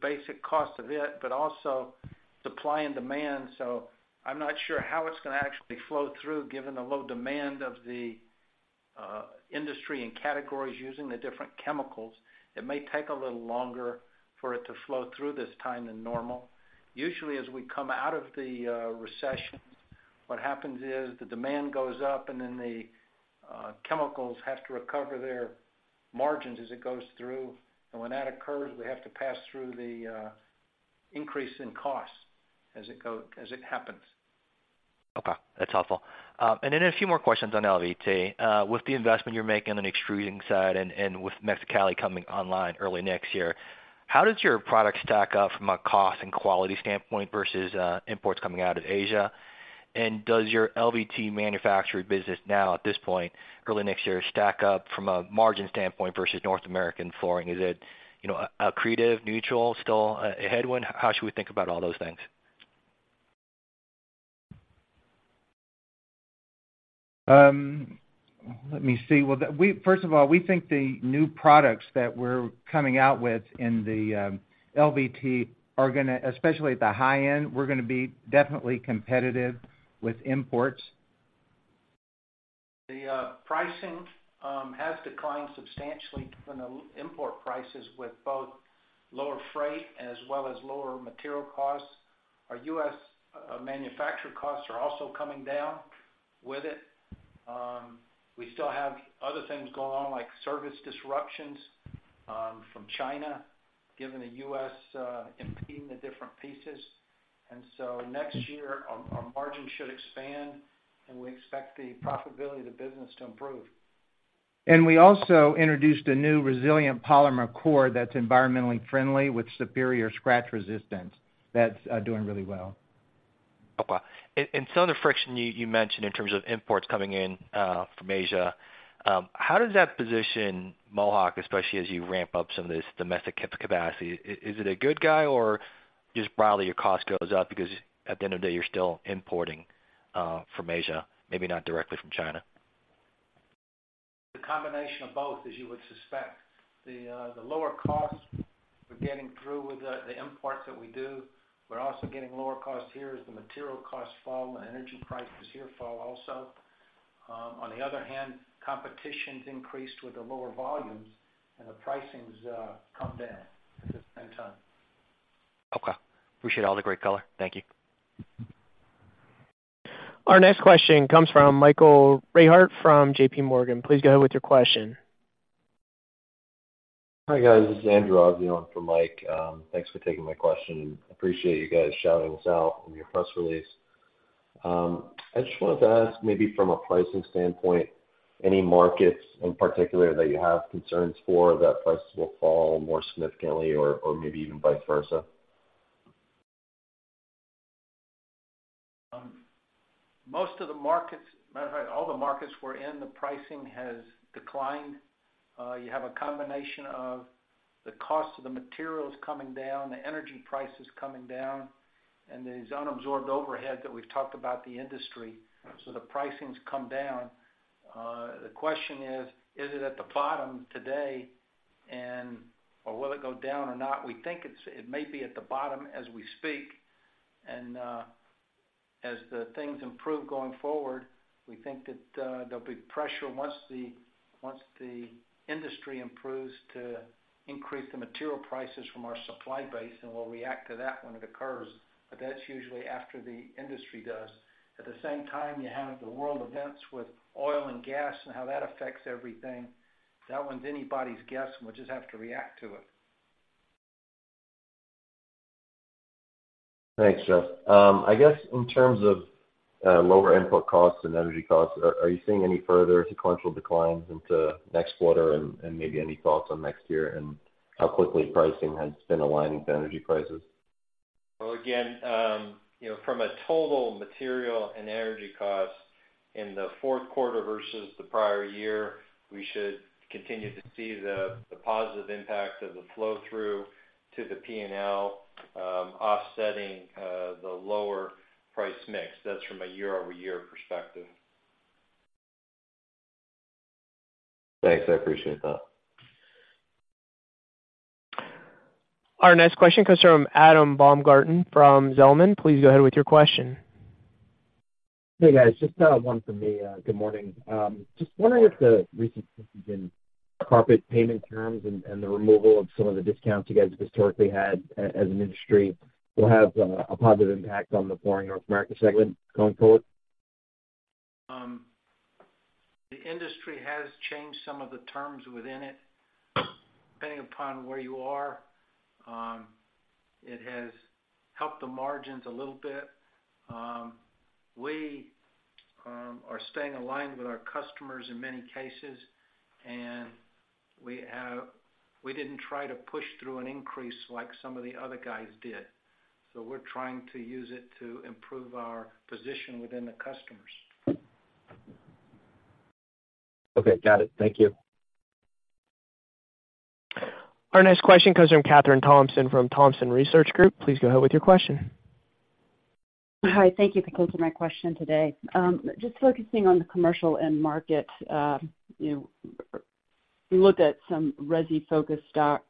basic cost of it, but also supply and demand. So I'm not sure how it's gonna actually flow through, given the low demand of the industry and categories using the different chemicals. It may take a little longer for it to flow through this time than normal. Usually, as we come out of the recession, what happens is, the demand goes up, and then the chemicals have to recover their margins as it goes through. When that occurs, we have to pass through the increase in costs as it happens. Okay, that's helpful. And then a few more questions on LVT. With the investment you're making on the extruding side and with Mexicali coming online early next year, how does your product stack up from a cost and quality standpoint versus imports coming out of Asia? And does your LVT manufacturing business now, at this point, early next year, stack up from a margin standpoint versus North American flooring? Is it, you know, accretive, neutral, still a headwind? How should we think about all those things? Let me see. Well, first of all, we think the new products that we're coming out with in the LVT are gonna, especially at the high end, we're gonna be definitely competitive with imports. The pricing has declined substantially from the import prices, with both lower freight as well as lower material costs. Our US manufacture costs are also coming down with it. We still have other things going on, like service disruptions from China, given the US impeding the different pieces. And so next year, our margins should expand, and we expect the profitability of the business to improve. We also introduced a new resilient polymer core that's environmentally friendly with superior scratch resistance. That's doing really well. Okay. And some of the friction you mentioned in terms of imports coming in from Asia, how does that position Mohawk, especially as you ramp up some of this domestic capacity? Is it a good guy or just broadly, your cost goes up because at the end of the day, you're still importing from Asia, maybe not directly from China? The combination of both, as you would suspect. The lower costs we're getting through with the imports that we do. We're also getting lower costs here as the material costs fall, and the energy prices here fall also. On the other hand, competition's increased with the lower volumes, and the pricing's come down at the same time. Okay. Appreciate all the great color. Thank you. Our next question comes from Michael Rehaut from JP Morgan. Please go ahead with your question. Hi, guys. This is Andrew Azzi in for Mike. Thanks for taking my question. Appreciate you guys shouting us out in your press release. I just wanted to ask, maybe from a pricing standpoint, any markets in particular that you have concerns for, that prices will fall more significantly or, or maybe even vice versa? Most of the markets, matter of fact, all the markets we're in, the pricing has declined. You have a combination of the cost of the materials coming down, the energy prices coming down, and these unabsorbed overhead that we've talked about the industry. So the pricing's come down. The question is, is it at the bottom today, or will it go down or not? We think it may be at the bottom as we speak. As things improve going forward, we think that there'll be pressure once the industry improves, to increase the material prices from our supply base, and we'll react to that when it occurs. That's usually after the industry does. At the same time, you have the world events with oil and gas and how that affects everything. That one's anybody's guess, and we'll just have to react to it. Thanks, Jeff. I guess in terms of lower input costs and energy costs, are you seeing any further sequential declines into next quarter and maybe any thoughts on next year and how quickly pricing has been aligning to energy prices? Well, again, you know, from a total material and energy cost in the Q4 versus the prior year, we should continue to see the positive impact of the flow-through to the P&L, offsetting the lower price mix. That's from a year-over-year perspective. Thanks. I appreciate that. Our next question comes from Adam Baumgarten from Zelman. Please go ahead with your question. Hey, guys, just one from me. Good morning. Just wondering if the recent carpet payment terms and the removal of some of the discounts you guys historically had as an industry will have a positive impact on the Flooring North America segment going forward? The industry has changed some of the terms within it. Depending upon where you are, it has helped the margins a little bit. We are staying aligned with our customers in many cases, and we didn't try to push through an increase like some of the other guys did. So we're trying to use it to improve our position within the customers. Okay, got it. Thank you. Our next question comes from Kathryn Thompson from Thompson Research Group. Please go ahead with your question. Hi, thank you for taking my question today. Just focusing on the commercial end market, you know, we looked at some resi-focused stocks,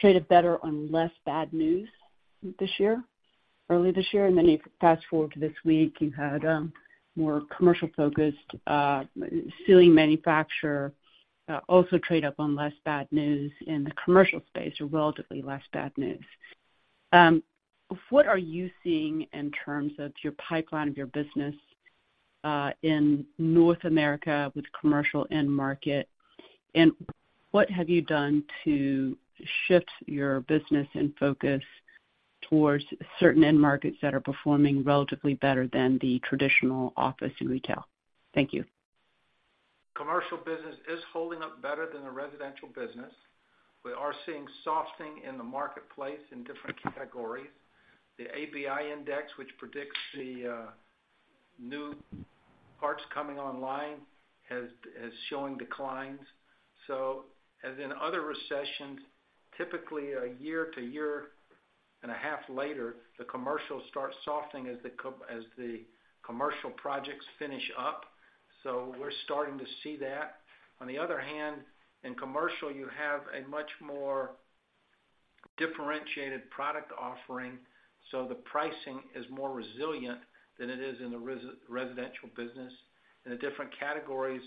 traded better on less bad news this year, early this year, and then you fast forward to this week, you had more commercial-focused ceiling manufacturer also trade up on less bad news in the commercial space, or relatively less bad news. What are you seeing in terms of your pipeline of your business in North America with commercial end market? And what have you done to shift your business and focus towards certain end markets that are performing relatively better than the traditional office and retail? Thank you. Commercial business is holding up better than the residential business. We are seeing softening in the marketplace in different categories. The ABI index, which predicts the new parts coming online, is showing declines. So as in other recessions, typically, a year to a year and a half later, the commercial starts softening as the commercial projects finish up. So we're starting to see that. On the other hand, in commercial, you have a much more differentiated product offering, so the pricing is more resilient than it is in the residential business. In the different categories,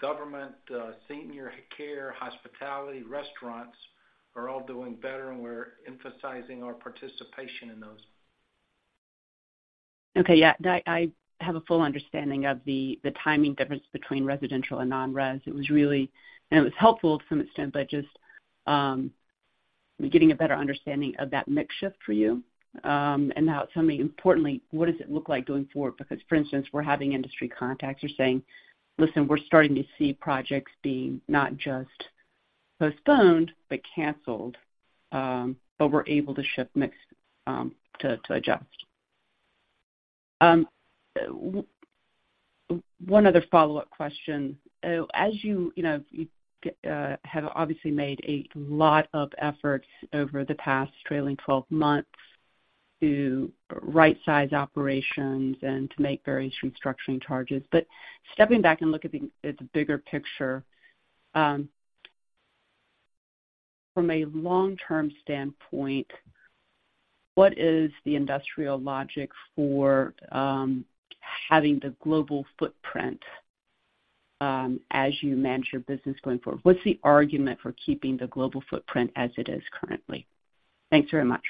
government, senior care, hospitality, restaurants, are all doing better, and we're emphasizing our participation in those. Okay, yeah. I have a full understanding of the timing difference between residential and non-res. It was really and it was helpful to some extent, but just getting a better understanding of that mix shift for you, and now tell me importantly, what does it look like going forward? Because, for instance, we're having industry contacts are saying, "Listen, we're starting to see projects being not just postponed, but canceled, but we're able to shift mix, to adjust." One other follow-up question: As you know, you have obviously made a lot of efforts over the past trailing twelve months to rightsize operations and to make various restructuring charges. But stepping back and look at the bigger picture, from a long-term standpoint, what is the industrial logic for having the global footprint as you manage your business going forward? What's the argument for keeping the global footprint as it is currently? Thanks very much.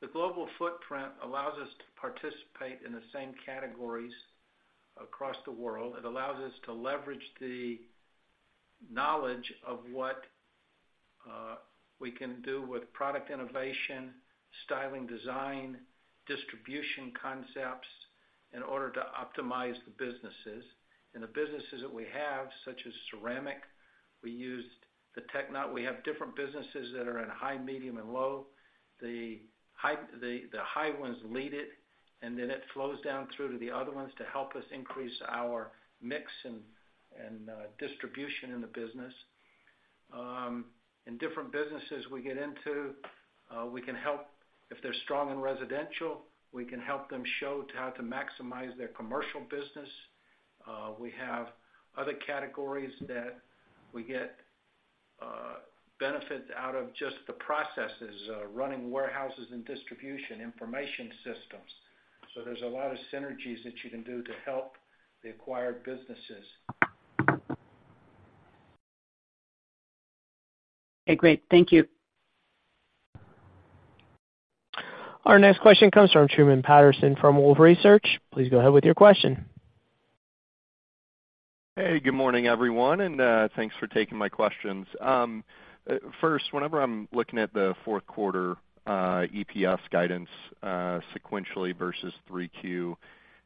The global footprint allows us to participate in the same categories across the world. It allows us to leverage the knowledge of what we can do with product innovation, styling, design, distribution concepts, in order to optimize the businesses. And the businesses that we have, such as ceramic, we have different businesses that are in high, medium, and low. The high ones lead it, and then it flows down through to the other ones to help us increase our mix and distribution in the business. In different businesses we get into, we can help if they're strong in residential, we can help them show to how to maximize their commercial business. We have other categories that we get benefits out of just the processes running warehouses and distribution, information systems. There's a lot of synergies that you can do to help the acquired businesses. Okay, great. Thank you. Our next question comes from Truman Patterson from Wolfe Research. Please go ahead with your question. Hey, good morning, everyone, and thanks for taking my questions. First, whenever I'm looking at the Q4 EPS guidance, sequentially versus Q3,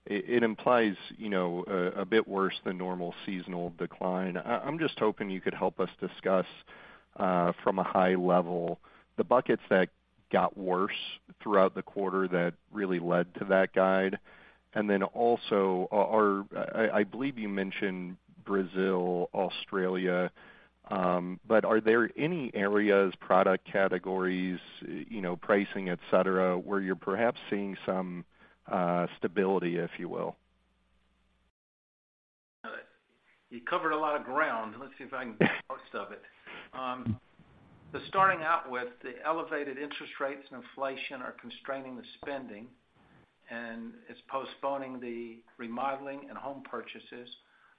it implies, you know, a bit worse than normal seasonal decline. I'm just hoping you could help us discuss, from a high level, the buckets that got worse throughout the quarter that really led to that guide. And then also, or I believe you mentioned Brazil, Australia, but are there any areas, product categories, you know, pricing, et cetera, where you're perhaps seeing some stability, if you will? ... You covered a lot of ground. Let's see if I can get most of it. Starting out with the elevated interest rates and inflation are constraining the spending, and it's postponing the remodeling and home purchases.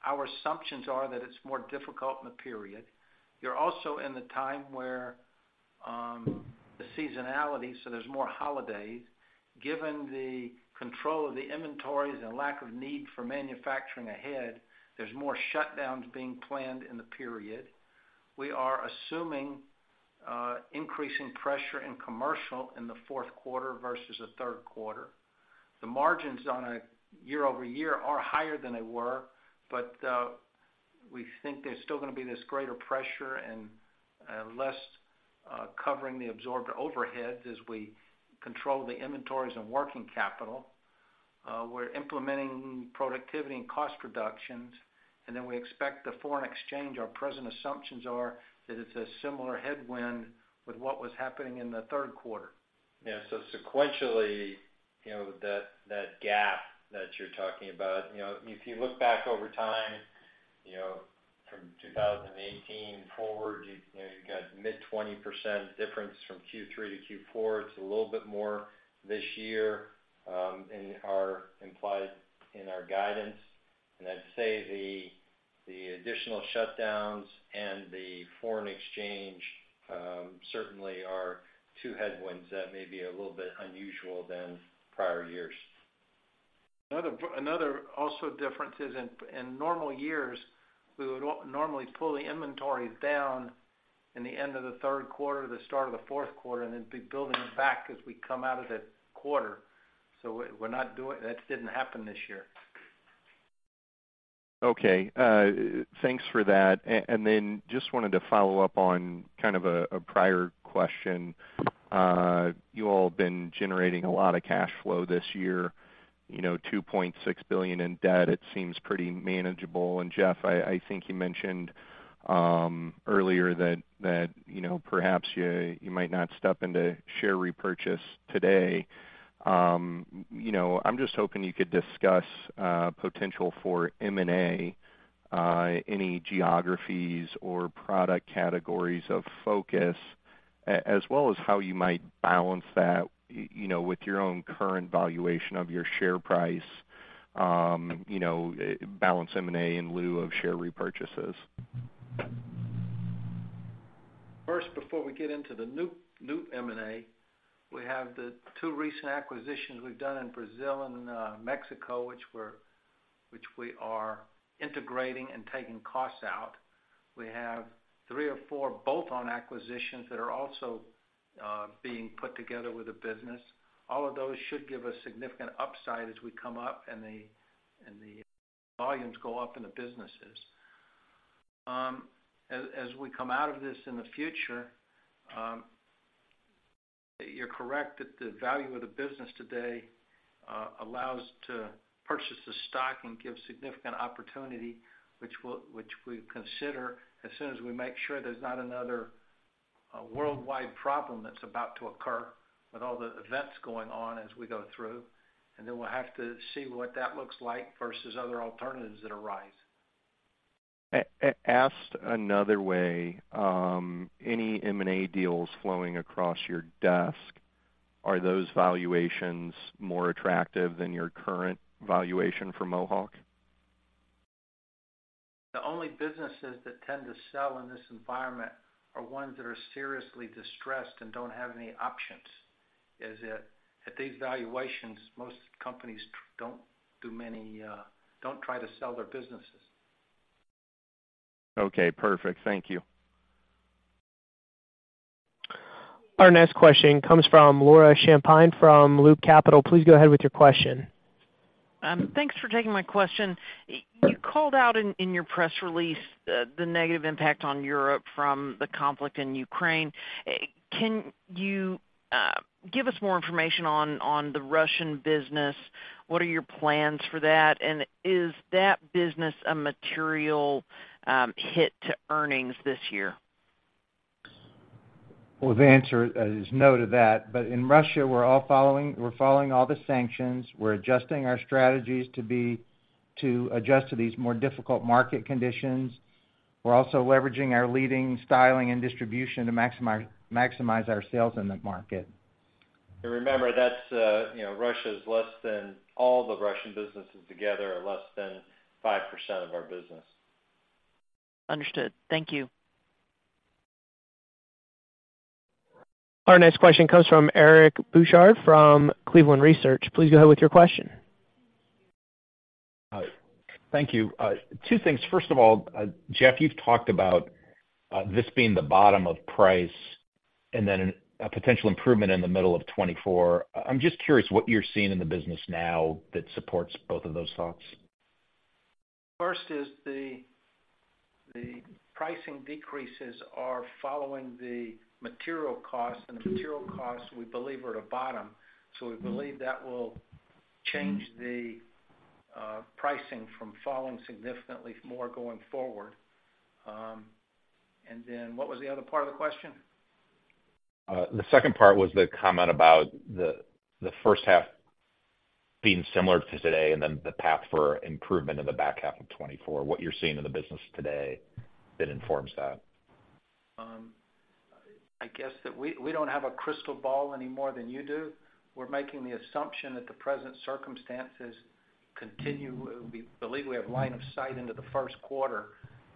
Our assumptions are that it's more difficult in the period. You're also in the time where the seasonality, so there's more holidays. Given the control of the inventories and lack of need for manufacturing ahead, there's more shutdowns being planned in the period. We are assuming increasing pressure in commercial in the Q4 versus the Q3. The margins on a year-over-year are higher than they were, but we think there's still gonna be this greater pressure and less covering the absorbed overheads as we control the inventories and working capital. We're implementing productivity and cost reductions, and then we expect the foreign exchange. Our present assumptions are that it's a similar headwind with what was happening in the Q3. Yeah, so sequentially, you know, that, that gap that you're talking about, you know, if you look back over time, you know, from 2018 forward, you, you know, you've got mid-20% difference from Q3 to Q4. It's a little bit more this year, in our implied guidance. And I'd say the, the additional shutdowns and the foreign exchange certainly are two headwinds that may be a little bit unusual than prior years. Another difference is in normal years, we would normally pull the inventories down in the end of the Q3, the start of the Q4, and then be building it back as we come out of the quarter. So we're not doing that. That didn't happen this year. Okay. Thanks for that. And then just wanted to follow up on kind of a prior question. You all have been generating a lot of cash flow this year, you know, $2.6 billion in debt. It seems pretty manageable. And Jeff, I think you mentioned earlier that, you know, perhaps you might not step into share repurchase today. You know, I'm just hoping you could discuss potential for M&A, any geographies or product categories of focus, as well as how you might balance that, you know, with your own current valuation of your share price, you know, balance M&A in lieu of share repurchases. First, before we get into the new, new M&A, we have the two recent acquisitions we've done in Brazil and Mexico, which we're integrating and taking costs out. We have three or four bolt-on acquisitions that are also being put together with the business. All of those should give us significant upside as we come up and the volumes go up in the businesses. As we come out of this in the future, you're correct that the value of the business today allows to purchase the stock and give significant opportunity, which we'll consider as soon as we make sure there's not another worldwide problem that's about to occur, with all the events going on as we go through. We'll have to see what that looks like versus other alternatives that arise. Asked another way, any M&A deals flowing across your desk, are those valuations more attractive than your current valuation for Mohawk? The only businesses that tend to sell in this environment are ones that are seriously distressed and don't have any options. As at these valuations, most companies don't do many, don't try to sell their businesses. Okay, perfect. Thank you. Our next question comes from Laura Champine from Loop Capital. Please go ahead with your question. Thanks for taking my question. You called out in your press release the negative impact on Europe from the conflict in Ukraine. Can you give us more information on the Russian business? What are your plans for that? And is that business a material hit to earnings this year? Well, the answer is no to that. But in Russia, we're following all the sanctions. We're adjusting our strategies to adjust to these more difficult market conditions. We're also leveraging our leading, styling, and distribution to maximize, maximize our sales in that market. Remember, that's, you know, Russia is less than all the Russian businesses together are less than 5% of our business. Understood. Thank you. Our next question comes from Eric Bosshard from Cleveland Research. Please go ahead with your question. Thank you. Two things. First of all, Jeff, you've talked about this being the bottom of price and then a potential improvement in the middle of 2024. I'm just curious what you're seeing in the business now that supports both of those thoughts. First, the pricing decreases are following the material costs, and the material costs, we believe, are at a bottom. So we believe that will change the pricing from falling significantly more going forward. And then what was the other part of the question? ...the second part was the comment about the, the first half being similar to today, and then the path for improvement in the back half of 2024, what you're seeing in the business today that informs that? I guess that we don't have a crystal ball any more than you do. We're making the assumption that the present circumstances continue. We believe we have line of sight into the Q1.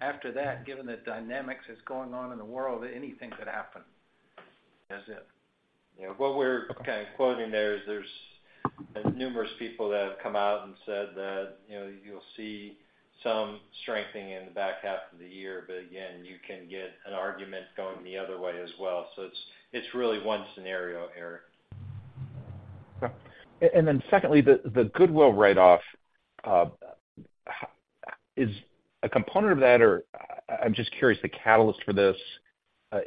After that, given the dynamics that's going on in the world, anything could happen. That's it. Yeah, what we're kind of quoting there is there's numerous people that have come out and said that, you know, you'll see some strengthening in the back half of the year, but again, you can get an argument going the other way as well. So it's, it's really one scenario here. Okay. And then secondly, the goodwill write-off is a component of that, or I'm just curious, the catalyst for this,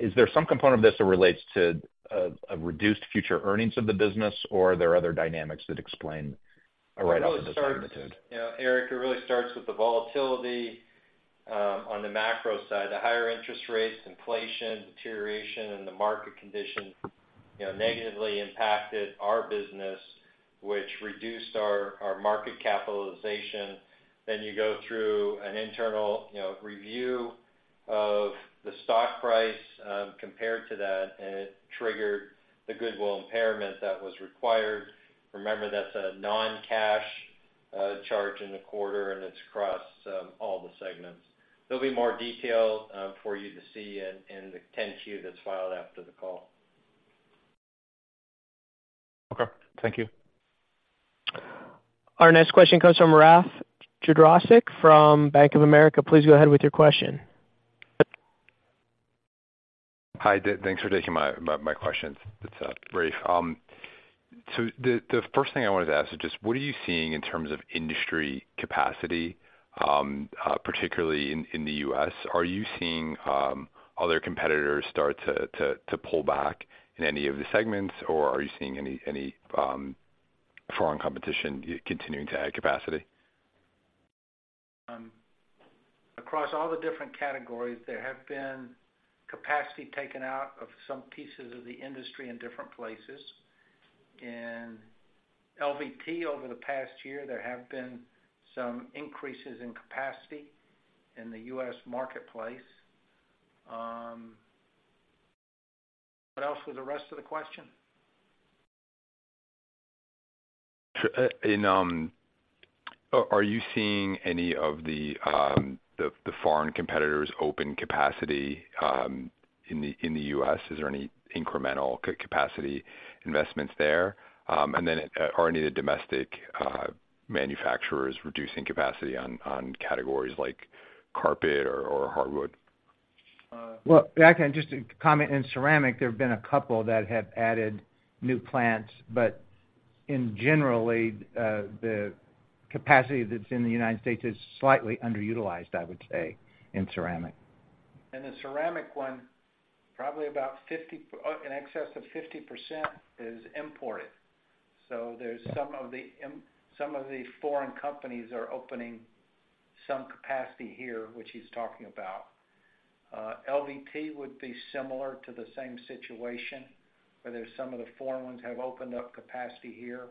is there some component of this that relates to a reduced future earnings of the business, or are there other dynamics that explain a write-off of that magnitude? You know, Eric, it really starts with the volatility on the macro side. The higher interest rates, inflation, deterioration in the market conditions, you know, negatively impacted our business, which reduced our market capitalization. Then you go through an internal, you know, review of the stock price compared to that, and it triggered the goodwill impairment that was required. Remember, that's a non-cash charge in the quarter, and it's across all the segments. There'll be more detail for you to see in the 10-Q that's filed after the call. Okay, thank you. Our next question comes from Rafe Jadrosich from Bank of America. Please go ahead with your question. Hi, thanks for taking my questions. It's Rafe. So the first thing I wanted to ask is just what are you seeing in terms of industry capacity, particularly in the US? Are you seeing other competitors start to pull back in any of the segments, or are you seeing any foreign competition continuing to add capacity? Across all the different categories, there have been capacity taken out of some pieces of the industry in different places. In LVT, over the past year, there have been some increases in capacity in the US marketplace. What else was the rest of the question? Are you seeing any of the foreign competitors open capacity in the US? Is there any incremental capacity investments there? And then, are any of the domestic manufacturers reducing capacity on categories like carpet or hardwood? Well, I can just comment in ceramic, there have been a couple that have added new plants, but in general, the capacity that's in the United States is slightly underutilized, I would say, in ceramic. And the ceramic one, probably about 50, in excess of 50% is imported. So there's some of the foreign companies are opening some capacity here, which he's talking about. LVT would be similar to the same situation, where there's some of the foreign ones have opened up capacity here,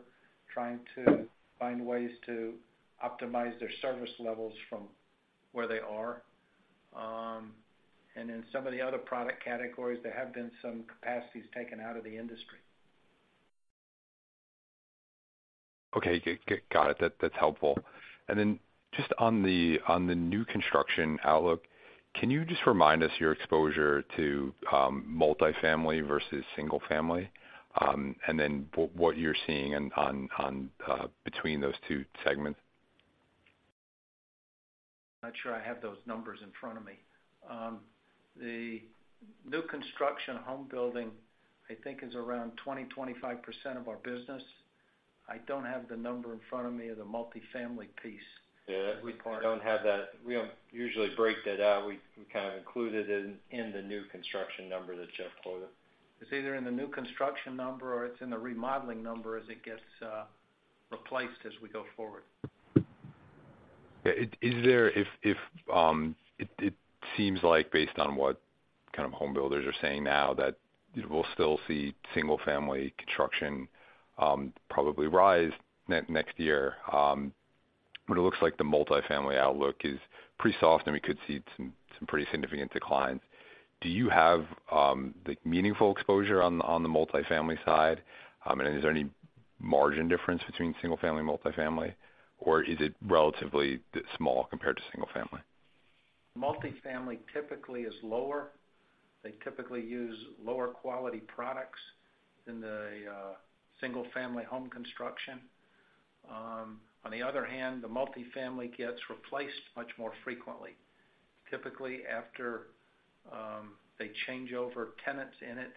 trying to find ways to optimize their service levels from where they are. And in some of the other product categories, there have been some capacities taken out of the industry. Okay, got it. That's helpful. And then just on the new construction outlook, can you just remind us your exposure to multifamily versus single family, and then what you're seeing on between those two segments? Not sure I have those numbers in front of me. The new construction home building, I think, is around 20-25% of our business. I don't have the number in front of me of the multifamily piece. Yeah, we don't have that. We don't usually break that out. We kind of include it in the new construction number that Jeff quoted. It's either in the new construction number or it's in the remodeling number as it gets replaced as we go forward. Okay. Is there if it seems like based on what kind of home builders are saying now, that we'll still see single family construction probably rise next year, but it looks like the multifamily outlook is pretty soft, and we could see some pretty significant declines. Do you have the meaningful exposure on the multifamily side? And is there any margin difference between single family and multifamily, or is it relatively small compared to single family? Multifamily typically is lower. They typically use lower quality products than the single family home construction. On the other hand, the multifamily gets replaced much more frequently, typically after they change over tenants in it,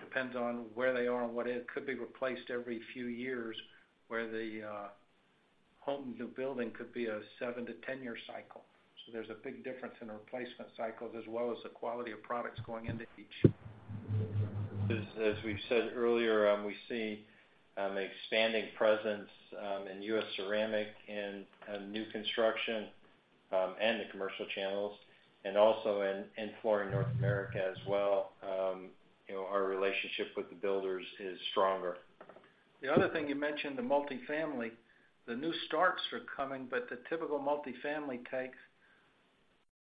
depends on where they are and what it could be replaced every few years, where the home new building could be a seven to 10-year cycle. So there's a big difference in the replacement cycles, as well as the quality of products going into each. As we've said earlier, we see expanding presence in US ceramic and new construction and the commercial channels, and also in Flooring North America as well. You know, our relationship with the builders is stronger. The other thing you mentioned, the multifamily, the new starts are coming, but the typical multifamily takes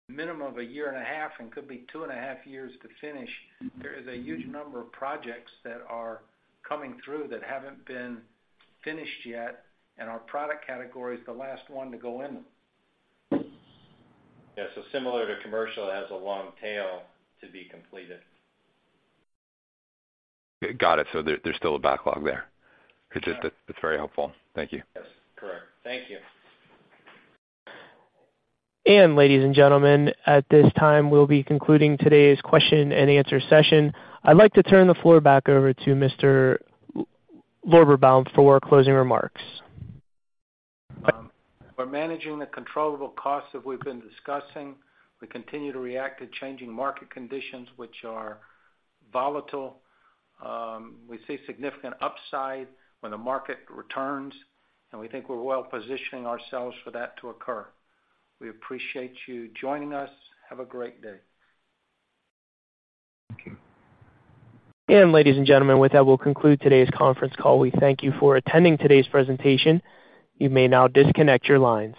minimum of a year and a half and could be two and a half years to finish. There is a huge number of projects that are coming through that haven't been finished yet, and our product category is the last one to go in them. Yes, so similar to commercial, it has a long tail to be completed. Got it. So there, there's still a backlog there. It's just... That's very helpful. Thank you. Yes, correct. Thank you. Ladies and gentlemen, at this time, we'll be concluding today's question and answer session. I'd like to turn the floor back over to Mr. Lorberbaum for closing remarks. We're managing the controllable costs that we've been discussing. We continue to react to changing market conditions, which are volatile. We see significant upside when the market returns, and we think we're well positioning ourselves for that to occur. We appreciate you joining us. Have a great day. Thank you. Ladies and gentlemen, with that, we'll conclude today's conference call. We thank you for attending today's presentation. You may now disconnect your lines.